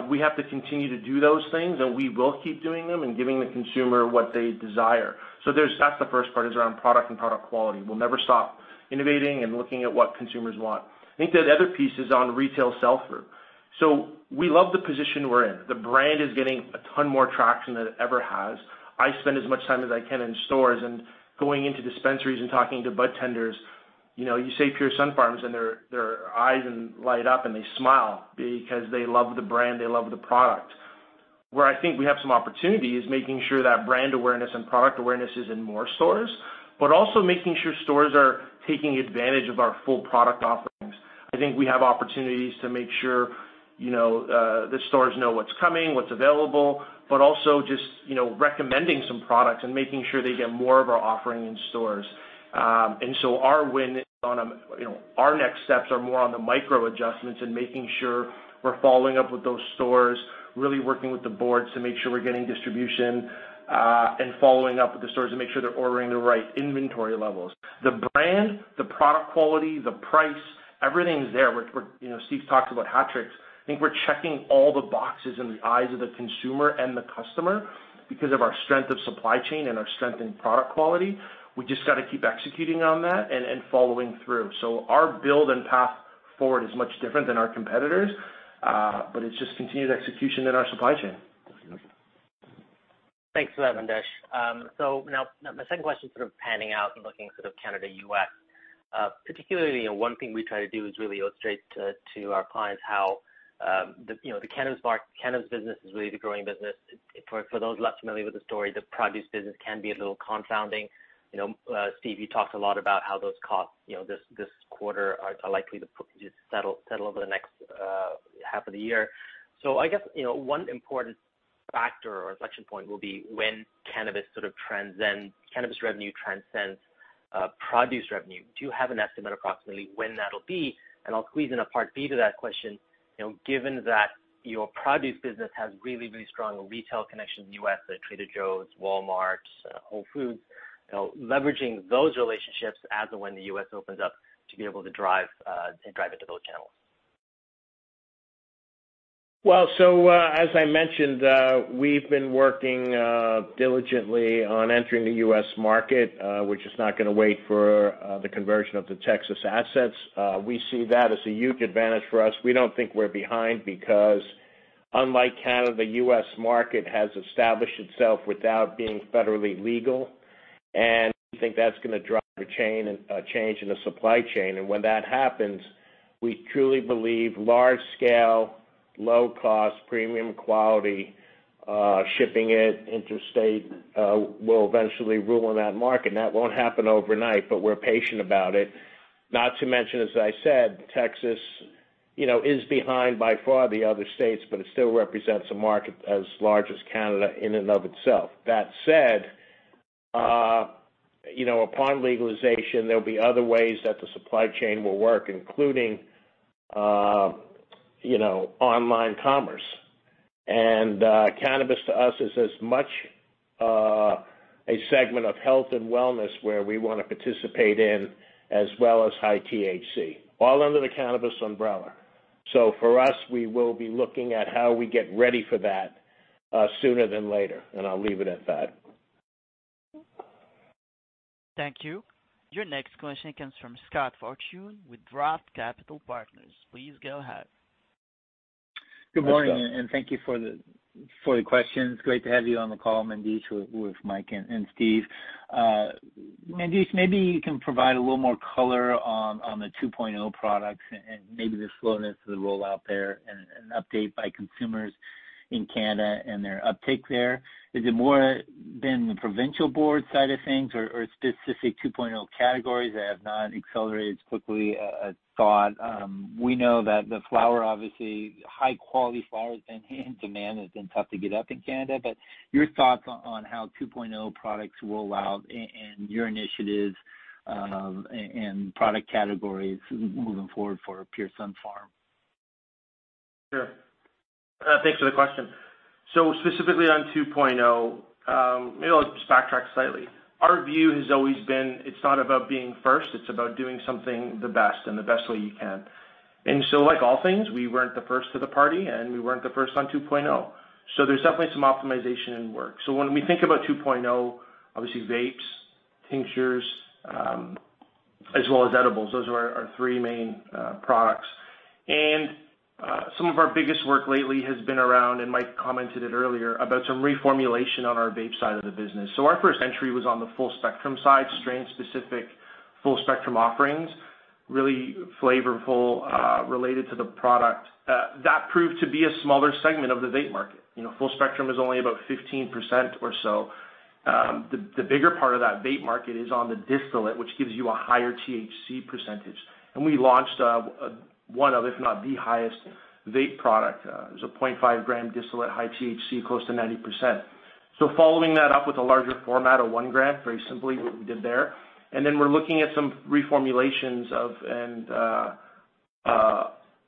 we have to continue to do those things, and we will keep doing them and giving the consumer what they desire. That's the first part, is around product and product quality. We'll never stop innovating and looking at what consumers want. I think the other piece is on retail sell-through. We love the position we're in. The brand is getting a ton more traction than it ever has. I spend as much time as I can in stores and going into dispensaries and talking to budtenders. You say Pure Sunfarms, and their eyes light up, and they smile because they love the brand, they love the product. Where I think we have some opportunity is making sure that brand awareness and product awareness is in more stores, but also making sure stores are taking advantage of our full product offerings. I think we have opportunities to make sure the stores know what's coming, what's available, but also just recommending some products and making sure they get more of our offering in stores. Our next steps are more on the micro adjustments and making sure we're following up with those stores, really working with the boards to make sure we're getting distribution, and following up with the stores to make sure they're ordering the right inventory levels. The brand, the product quality, the price, everything's there. Steve talked about hat tricks. I think we're checking all the boxes in the eyes of the consumer and the customer because of our strength of supply chain and our strength in product quality. We just got to keep executing on that and following through. Our build and path forward is much different than our competitors, but it's just continued execution in our supply chain. Thanks for that, Mandesh. Now my second question, sort of panning out and looking sort of Canada, U.S. Particularly, one thing we try to do is really illustrate to our clients how the cannabis business is really the growing business. For those not familiar with the story, the produce business can be a little confounding. Steve, you talked a lot about how those costs this quarter are likely to settle over the next half of the year. I guess, one important factor or inflection point will be when cannabis revenue transcends produce revenue. Do you have an estimate approximately when that'll be? I'll squeeze in a part B to that question, given that your produce business has really strong retail connections in the U.S., the Trader Joe's, Walmart, Whole Foods, leveraging those relationships as and when the U.S. opens up to be able to drive into those channels. As I mentioned, we've been working diligently on entering the U.S. market, which is not going to wait for the conversion of the Texas assets. We see that as a huge advantage for us. We don't think we're behind because, unlike Canada, the U.S. market has established itself without being federally legal, and we think that's going to drive a change in the supply chain. When that happens, we truly believe large scale, low cost, premium quality, shipping it interstate, will eventually rule in that market. That won't happen overnight, but we're patient about it. Not to mention, as I said, Texas is behind by far the other states, but it still represents a market as large as Canada in and of itself. Upon legalization, there'll be other ways that the supply chain will work, including online commerce. Cannabis to us is as much a segment of health and wellness where we want to participate in as well as high THC, all under the cannabis umbrella. For us, we will be looking at how we get ready for that sooner than later, and I'll leave it at that. Thank you. Your next question comes from Scott Fortune with ROTH Capital Partners. Please go ahead. Hi, Scott. Good morning, and thank you for the questions. Great to have you on the call, Mandesh, with Mike and Steve. Mandesh, maybe you can provide a little more color on the 2.0 products and maybe the slowness of the rollout there and an update by consumers in Canada and their uptake there. Is it more than the provincial board side of things or specific 2.0 categories that have not accelerated as quickly as thought? We know that the flower, obviously high quality flower has been in demand, has been tough to get up in Canada. Your thoughts on how 2.0 products roll out and your initiatives and product categories moving forward for Pure Sunfarms? Sure. Thanks for the question. Specifically on 2.0, maybe I'll just backtrack slightly. Our view has always been, it's not about being first, it's about doing something the best and the best way you can. Like all things, we weren't the first to the party, and we weren't the first on 2.0. There's definitely some optimization and work. When we think about 2.0, obviously vapes, tinctures, as well as edibles. Those are our three main products. Some of our biggest work lately has been around, and Mike commented it earlier, about some reformulation on our vape side of the business. Our first entry was on the full spectrum side, strain-specific full spectrum offerings, really flavorful, related to the product. That proved to be a smaller segment of the vape market. Full spectrum is only about 15% or so. The bigger part of that vape market is on the distillate, which gives you a higher THC percentage. We launched one of, if not the highest vape product. It was a 0.5 gram distillate, high THC, close to 90%. Following that up with a larger format of one gram, very simply what we did there. We're looking at some reformulations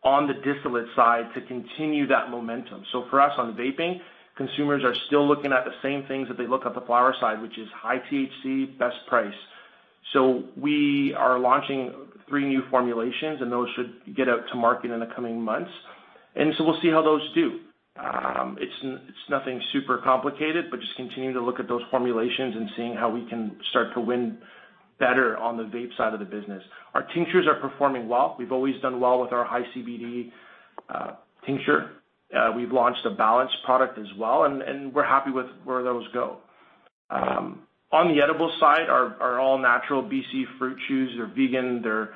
on the distillate side to continue that momentum. For us on vaping, consumers are still looking at the same things that they look at the flower side, which is high THC, best price. We are launching three new formulations, and those should get out to market in the coming months. We'll see how those do. It's nothing super complicated, but just continue to look at those formulations and seeing how we can start to win better on the vape side of the business. Our tinctures are performing well. We've always done well with our high CBD tincture. We've launched a balanced product as well, and we're happy with where those go. On the edibles side, our all-natural B.C. fruit chews, they're vegan, they're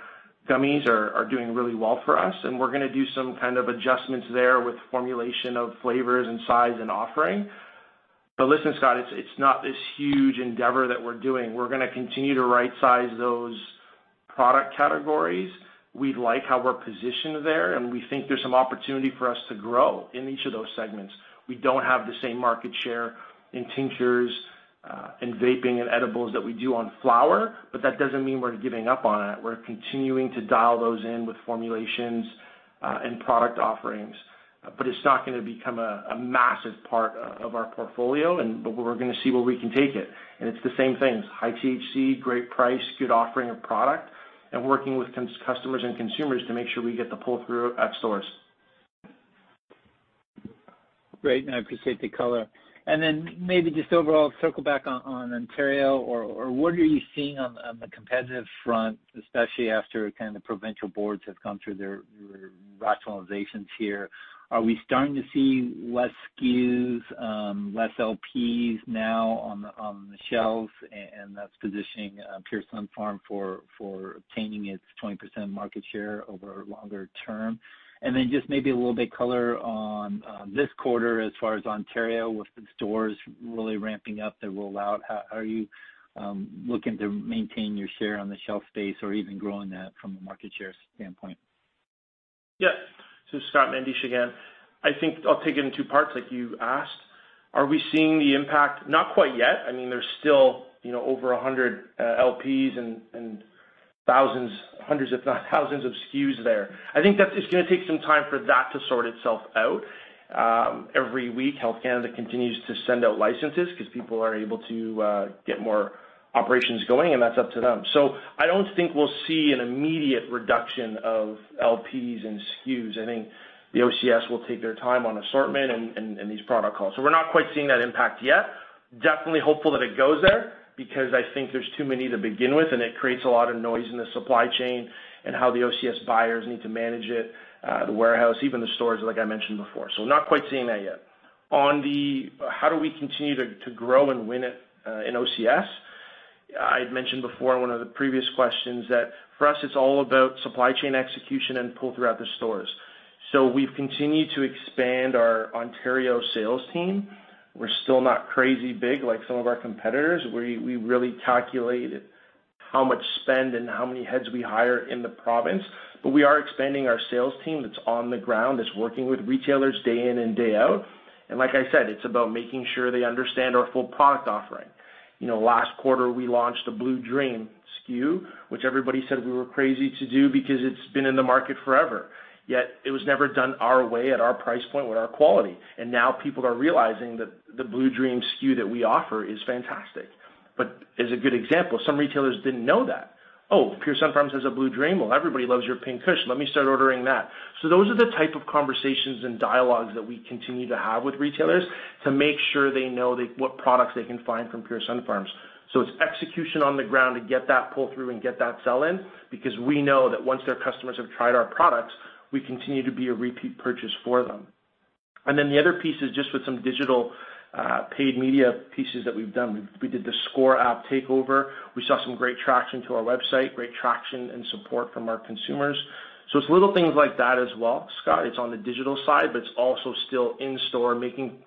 gummies, are doing really well for us, and we're going to do some kind of adjustments there with formulation of flavors and size and offering. Listen, Scott, it's not this huge endeavor that we're doing. We're going to continue to right-size those product categories. We like how we're positioned there, and we think there's some opportunity for us to grow in each of those segments. We don't have the same market share in tinctures, in vaping, in edibles that we do on flower, but that doesn't mean we're giving up on it. We're continuing to dial those in with formulations, and product offerings. It's not going to become a massive part of our portfolio, but we're going to see where we can take it. It's the same things, high THC, great price, good offering of product, and working with customers and consumers to make sure we get the pull-through at stores. Great, I appreciate the color. Then maybe just overall circle back on Ontario. What are you seeing on the competitive front, especially after kind of the provincial boards have gone through their rationalizations here? Are we starting to see less SKUs, less LPs now on the shelves, and that's positioning Pure Sunfarms for obtaining its 20% market share over longer term? Then just maybe a little bit color on this quarter as far as Ontario, with the stores really ramping up the rollout. Are you looking to maintain your share on the shelf space or even growing that from a market share standpoint? Yeah. Scott, Mandesh again. I think I'll take it in two parts like you asked. Are we seeing the impact? Not quite yet. There's still over 100 LPs and hundreds, if not thousands of SKUs there. I think that it's going to take some time for that to sort itself out. Every week, Health Canada continues to send out licenses because people are able to get more operations going, and that's up to them. I don't think we'll see an immediate reduction of LPs and SKUs. I think the OCS will take their time on assortment and these product calls. We're not quite seeing that impact yet. Definitely hopeful that it goes there, because I think there's too many to begin with, and it creates a lot of noise in the supply chain and how the OCS buyers need to manage it, the warehouse, even the stores, like I mentioned before. We're not quite seeing that yet. On the how do we continue to grow and win it in OCS, I had mentioned before in one of the previous questions that for us it's all about supply chain execution and pull throughout the stores. We've continued to expand our Ontario sales team. We're still not crazy big like some of our competitors. We really calculate how much spend and how many heads we hire in the province. We are expanding our sales team that's on the ground, that's working with retailers day in and day out. Like I said, it's about making sure they understand our full product offering. Last quarter, we launched a Blue Dream SKU, which everybody said we were crazy to do because it's been in the market forever. It was never done our way, at our price point, with our quality. Now people are realizing that the Blue Dream SKU that we offer is fantastic. As a good example, some retailers didn't know that. "Oh, Pure Sunfarms has a Blue Dream. Well, everybody loves your Pink Kush. Let me start ordering that." Those are the type of conversations and dialogues that we continue to have with retailers to make sure they know what products they can find from Pure Sunfarms. It's execution on the ground to get that pull-through and get that sell-in, because we know that once their customers have tried our products, we continue to be a repeat purchase for them. Then the other piece is just with some digital paid media pieces that we've done. We did the SCORE app takeover. We saw some great traction to our website, great traction and support from our consumers. It's little things like that as well, Scott. It's on the digital side, but it's also still in-store, making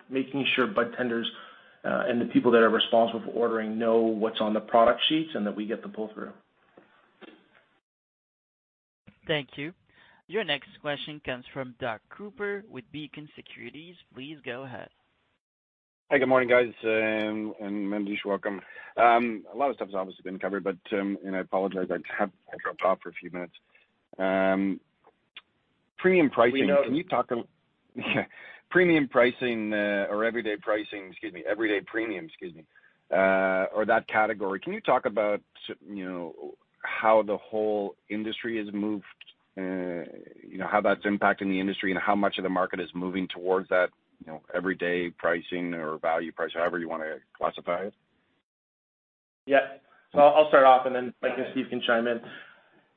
sure budtenders, and the people that are responsible for ordering know what's on the product sheets and that we get the pull-through. Thank you. Your next question comes from Doug Cooper with Beacon Securities. Please go ahead. Hi, good morning, guys, and Mandesh, welcome. A lot of stuff's obviously been covered, and I apologize. I dropped off for a few minutes. We know- Can you talk Premium pricing, or everyday pricing, excuse me, everyday Premium, excuse me, or that category? Can you talk about how the whole industry has moved? How that's impacting the industry, and how much of the market is moving towards that everyday pricing or value price, however you want to classify it? Yeah. I'll start off, and then Mike and Steve can chime in.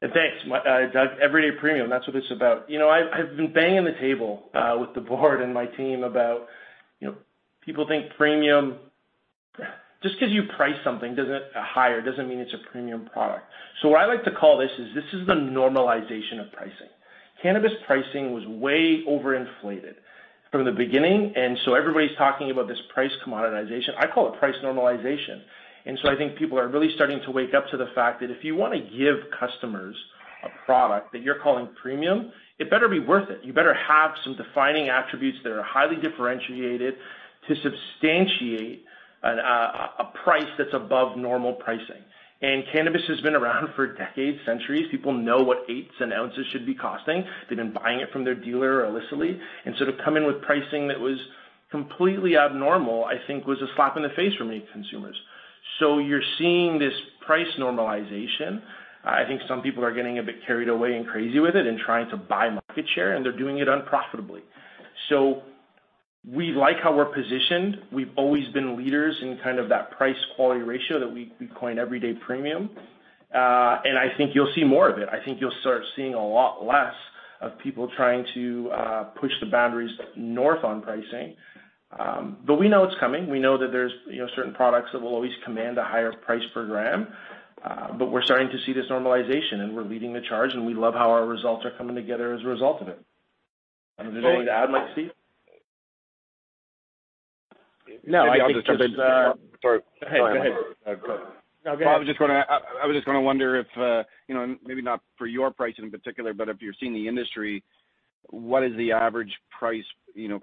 Thanks, Doug. Everyday premium, that's what it's about. I've been banging the table with the board and my team about people think premium, just because you price something higher doesn't mean it's a premium product. What I like to call this is, this is the normalization of pricing. Cannabis pricing was way over-inflated from the beginning, and so everybody's talking about this price commoditization. I call it price normalization. I think people are really starting to wake up to the fact that if you want to give customers a product that you're calling premium, it better be worth it. You better have some defining attributes that are highly differentiated to substantiate a price that's above normal pricing. Cannabis has been around for decades, centuries. People know what eighths and ounces should be costing. They've been buying it from their dealer illicitly. To come in with pricing that was completely abnormal, I think was a slap in the face for many consumers. You're seeing this price normalization. I think some people are getting a bit carried away and crazy with it and trying to buy market share, and they're doing it unprofitably. We like how we're positioned. We've always been leaders in that price quality ratio that we coin everyday premium. I think you'll see more of it. I think you'll start seeing a lot less of people trying to push the boundaries north on pricing. We know it's coming. We know that there's certain products that will always command a higher price per gram. We're starting to see this normalization, and we're leading the charge, and we love how our results are coming together as a result of it. I don't know. Do you want me to add Mike, Steve? No, I don't- Maybe I could start this. Sorry. Go ahead. Go ahead. I was just going to wonder if, maybe not for your pricing in particular, but if you're seeing the industry, what is the average price,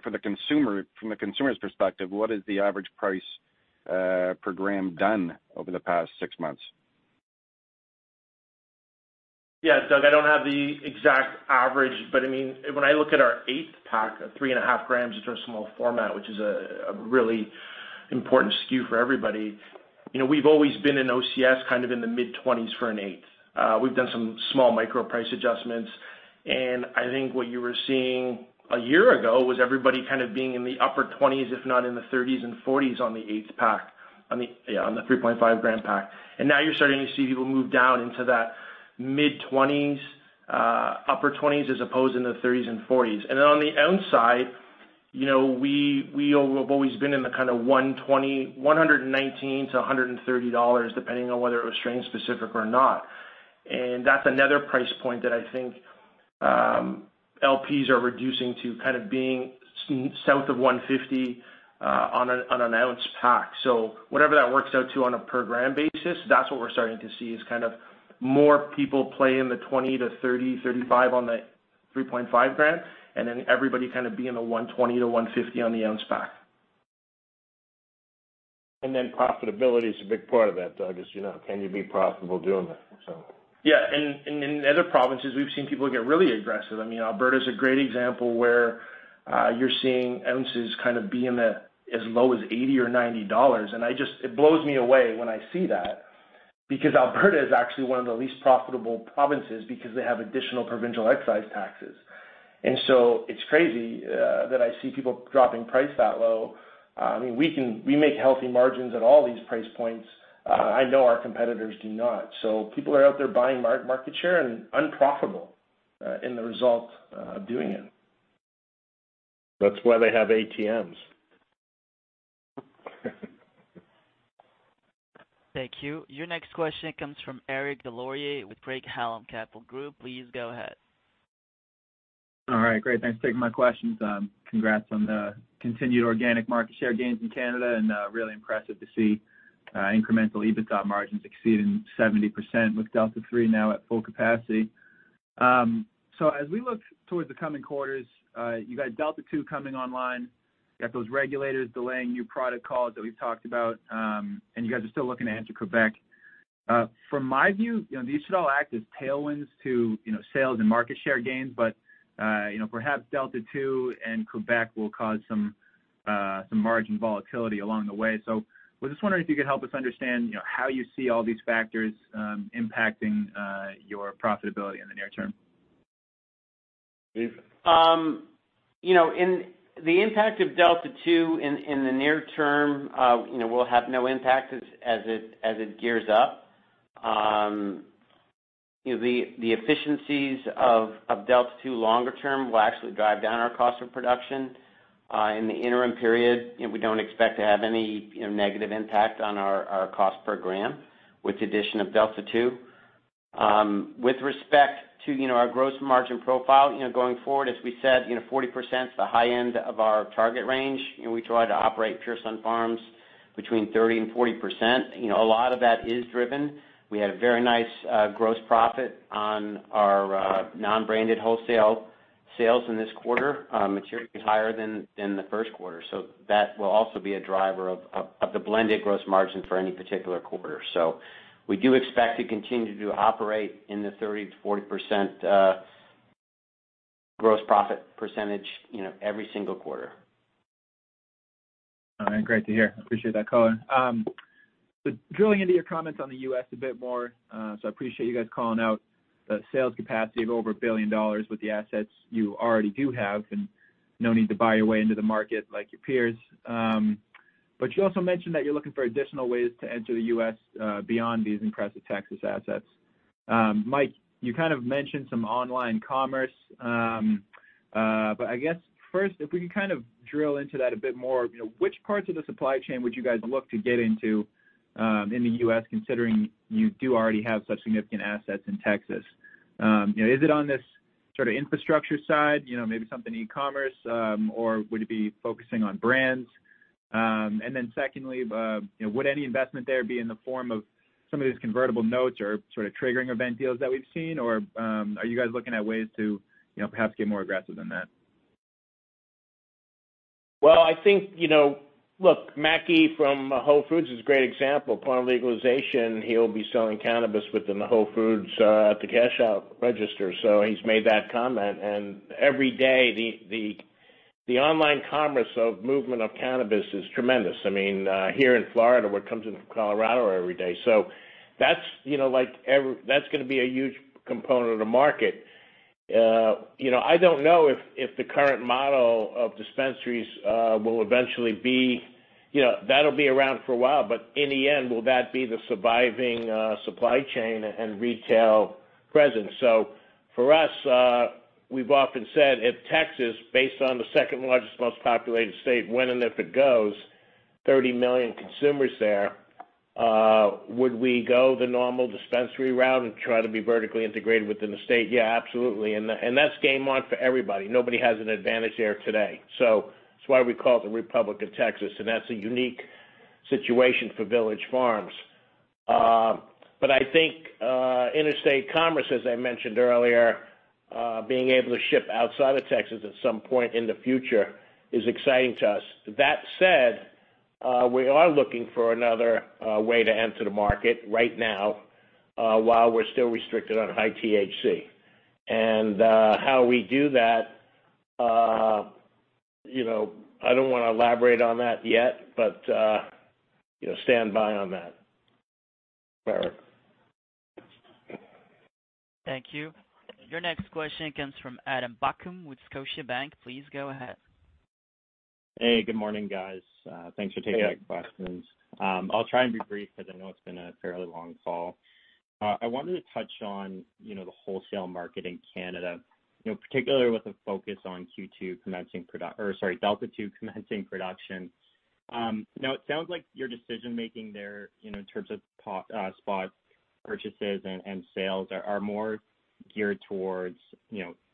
for the consumer, from the consumer's perspective, what is the average price per gram done over the past six months? Doug, I don't have the exact average, but when I look at our eighth pack of 3.5 grams, which are a small format, which is a really important SKU for everybody. We've always been in OCS, kind of in the mid-20s for an eighth. We've done some small micro price adjustments, I think what you were seeing a year ago was everybody kind of being in the upper 20s, if not in the 30s and 40s on the eighth pack, on the 3.5 gram pack. Now you're starting to see people move down into that mid-20s, upper 20s as opposed in the 30s and 40s. On the ounce side, we have always been in the kind of 119-130 dollars, depending on whether it was strain specific or not. That's another price point that I think LPs are reducing to kind of being south of 150 on an ounce pack. Whatever that works out to on a per gram basis, that's what we're starting to see, is kind of more people play in the 20-30, 35 on the 3.5 gram, and then everybody kind of be in the 120-150 on the ounce pack. Profitability is a big part of that, Doug, is can you be profitable doing that? In the other provinces, we've seen people get really aggressive. Alberta is a great example where you're seeing ounces kind of being as low as 80 or 90 dollars. It blows me away when I see that, because Alberta is actually one of the least profitable provinces because they have additional provincial excise taxes. It's crazy that I see people dropping price that low. We make healthy margins at all these price points. I know our competitors do not. People are out there buying market share and unprofitable in the result of doing it. That's why they have ATMs. Thank you. Your next question comes from Eric Des Lauriers with Craig-Hallum Capital Group. Please go ahead. All right, great. Thanks for taking my questions. Congrats on the continued organic market share gains in Canada, and really impressive to see incremental EBITDA margins exceeding 70% with Delta 3 now at full capacity. As we look towards the coming quarters, you got Delta 2 coming online, you got those regulators delaying new product calls that we've talked about, and you guys are still looking to enter Quebec. From my view, these should all act as tailwinds to sales and market share gains, but perhaps Delta 2 and Quebec will cause some margin volatility along the way. I was just wondering if you could help us understand how you see all these factors impacting your profitability in the near term. Steve. In the impact of Delta 2 in the near term, will have no impact as it gears up. The efficiencies of Delta 2 longer term will actually drive down our cost of production. In the interim period, we don't expect to have any negative impact on our cost per gram with the addition of Delta 2. With respect to our gross margin profile, going forward, as we said, 40%'s the high end of our target range. We try to operate Pure Sunfarms between 30% and 40%. A lot of that is driven. We had a very nice gross profit on our non-branded wholesale sales in this quarter, materially higher than the first quarter. That will also be a driver of the blended gross margin for any particular quarter. We do expect to continue to operate in the 30%-40% gross profit percentage every single quarter. All right. Great to hear. Appreciate that color. Drilling into your comments on the U.S. a bit more, I appreciate you guys calling out the sales capacity of over 1 billion dollars with the assets you already do have, and no need to buy your way into the market like your peers. You also mentioned that you're looking for additional ways to enter the U.S. beyond these impressive Texas assets. Mike, you kind of mentioned some online commerce. I guess first, if we could kind of drill into that a bit more, which parts of the supply chain would you guys look to get into in the U.S., considering you do already have such significant assets in Texas? Is it on this sort of infrastructure side, maybe something in e-commerce, or would it be focusing on brands? Secondly, would any investment there be in the form of some of these convertible notes or sort of triggering event deals that we've seen, or are you guys looking at ways to perhaps get more aggressive than that? Well, I think, look, Mackey from Whole Foods is a great example. Upon legalization, he'll be selling cannabis within the Whole Foods at the cashout register. He's made that comment. Every day, the online commerce of movement of cannabis is tremendous here in Florida, where it comes in from Colorado every day. That's going to be a huge component of the market. I don't know if the current model of dispensaries will eventually be around for a while, but in the end, will that be the surviving supply chain and retail presence? For us, we've often said if Texas, based on the second-largest, most populated state, when and if it goes, 30 million consumers there, would we go the normal dispensary route and try to be vertically integrated within the state? Yeah, absolutely. That's game on for everybody. Nobody has an advantage there today. That's why we call it the Republic of Texas, and that's a unique situation for Village Farms. I think interstate commerce, as I mentioned earlier, being able to ship outside of Texas at some point in the future is exciting to us. That said, we are looking for another way to enter the market right now, while we're still restricted on high THC. How we do that, I don't want to elaborate on that yet, stand by on that, Eric. Thank you. Your next question comes from Adam Buckham with Scotiabank. Please go ahead. Hey, good morning, guys. Hey, you. Thanks for taking the questions. I'll try and be brief because I know it's been a fairly long call. I wanted to touch on the wholesale market in Canada, particularly with a focus on Q2 commencing produ-, sorry, Delta 2 commencing production. Now, it sounds like your decision-making there, in terms of spot purchases and sales, are more geared towards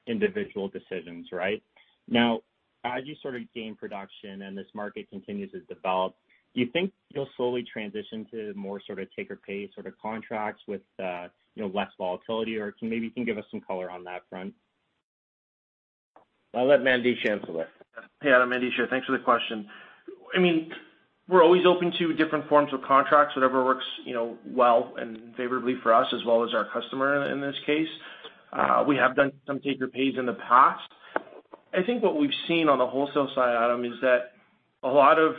individual decisions, right? Now, as you sort of gain production and this market continues to develop, do you think you'll slowly transition to more sort of take-or-pay sort of contracts with less volatility, or maybe you can give us some color on that front? I'll let Mandesh answer that. Hey, Adam. Mandesh here. Thanks for the question. We're always open to different forms of contracts, whatever works well and favorably for us, as well as our customer in this case. We have done some take or pays in the past. I think what we've seen on the wholesale side, Adam, is that a lot of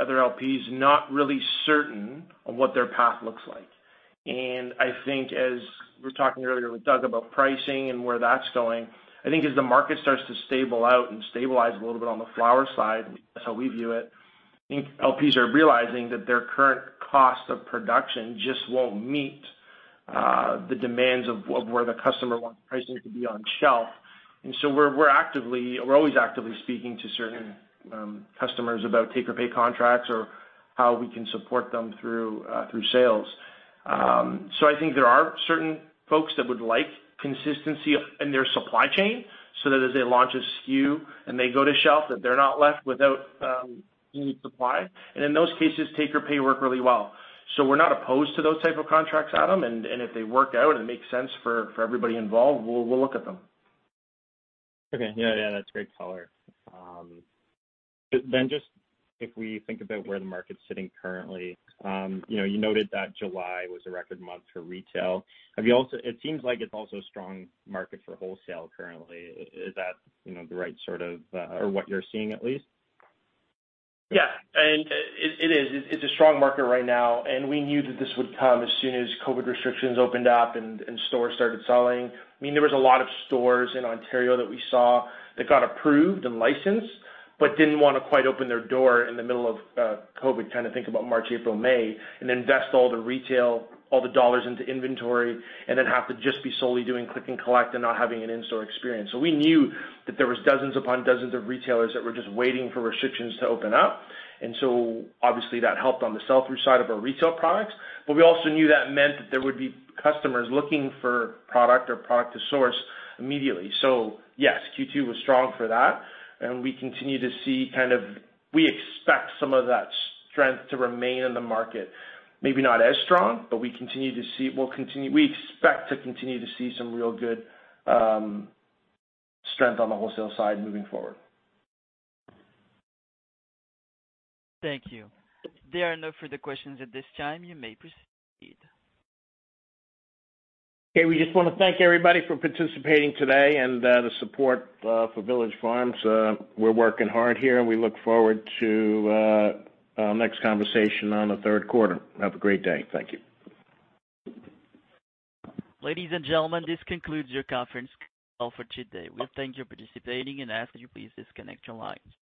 other LPs not really certain on what their path looks like. I think as we were talking earlier with Doug about pricing and where that's going, I think as the market starts to stabilize a little bit on the flower side, that's how we view it, I think LPs are realizing that their current cost of production just won't meet the demands of where the customer wants pricing to be on shelf. We're always actively speaking to certain customers about take-or-pay contracts or how we can support them through sales. I think there are certain folks that would like consistency in their supply chain, so that as they launch a SKU and they go to shelf, that they're not left without any supply. In those cases, take or pay work really well. We're not opposed to those type of contracts, Adam, and if they work out and it makes sense for everybody involved, we'll look at them. Okay. Yeah, that's great color. If we think about where the market's sitting currently, you noted that July was a record month for retail. It seems like it's also a strong market for wholesale currently. Is that the right sort of, or what you're seeing at least? It is. It's a strong market right now, and we knew that this would come as soon as COVID restrictions opened up and stores started selling. There was a lot of stores in Ontario that we saw that got approved and licensed, but didn't want to quite open their door in the middle of COVID, kind of think about March, April, May, and invest all the retail, all the dollars into inventory, and then have to just be solely doing click and collect and not having an in-store experience. We knew that there was dozens upon dozens of retailers that were just waiting for restrictions to open up, and so obviously, that helped on the sell-through side of our retail products. We also knew that meant that there would be customers looking for product or product to source immediately. Yes, Q2 was strong for that, and we continue to see kind of, we expect some of that strength to remain in the market. Maybe not as strong, we expect to continue to see some real good strength on the wholesale side moving forward. Thank you. There are no further questions at this time. You may proceed. Okay. We just want to thank everybody for participating today and the support for Village Farms. We're working hard here, and we look forward to our next conversation on the third quarter. Have a great day. Thank you. Ladies and gentlemen, this concludes your conference call for today. We thank you for participating and ask that you please disconnect your lines.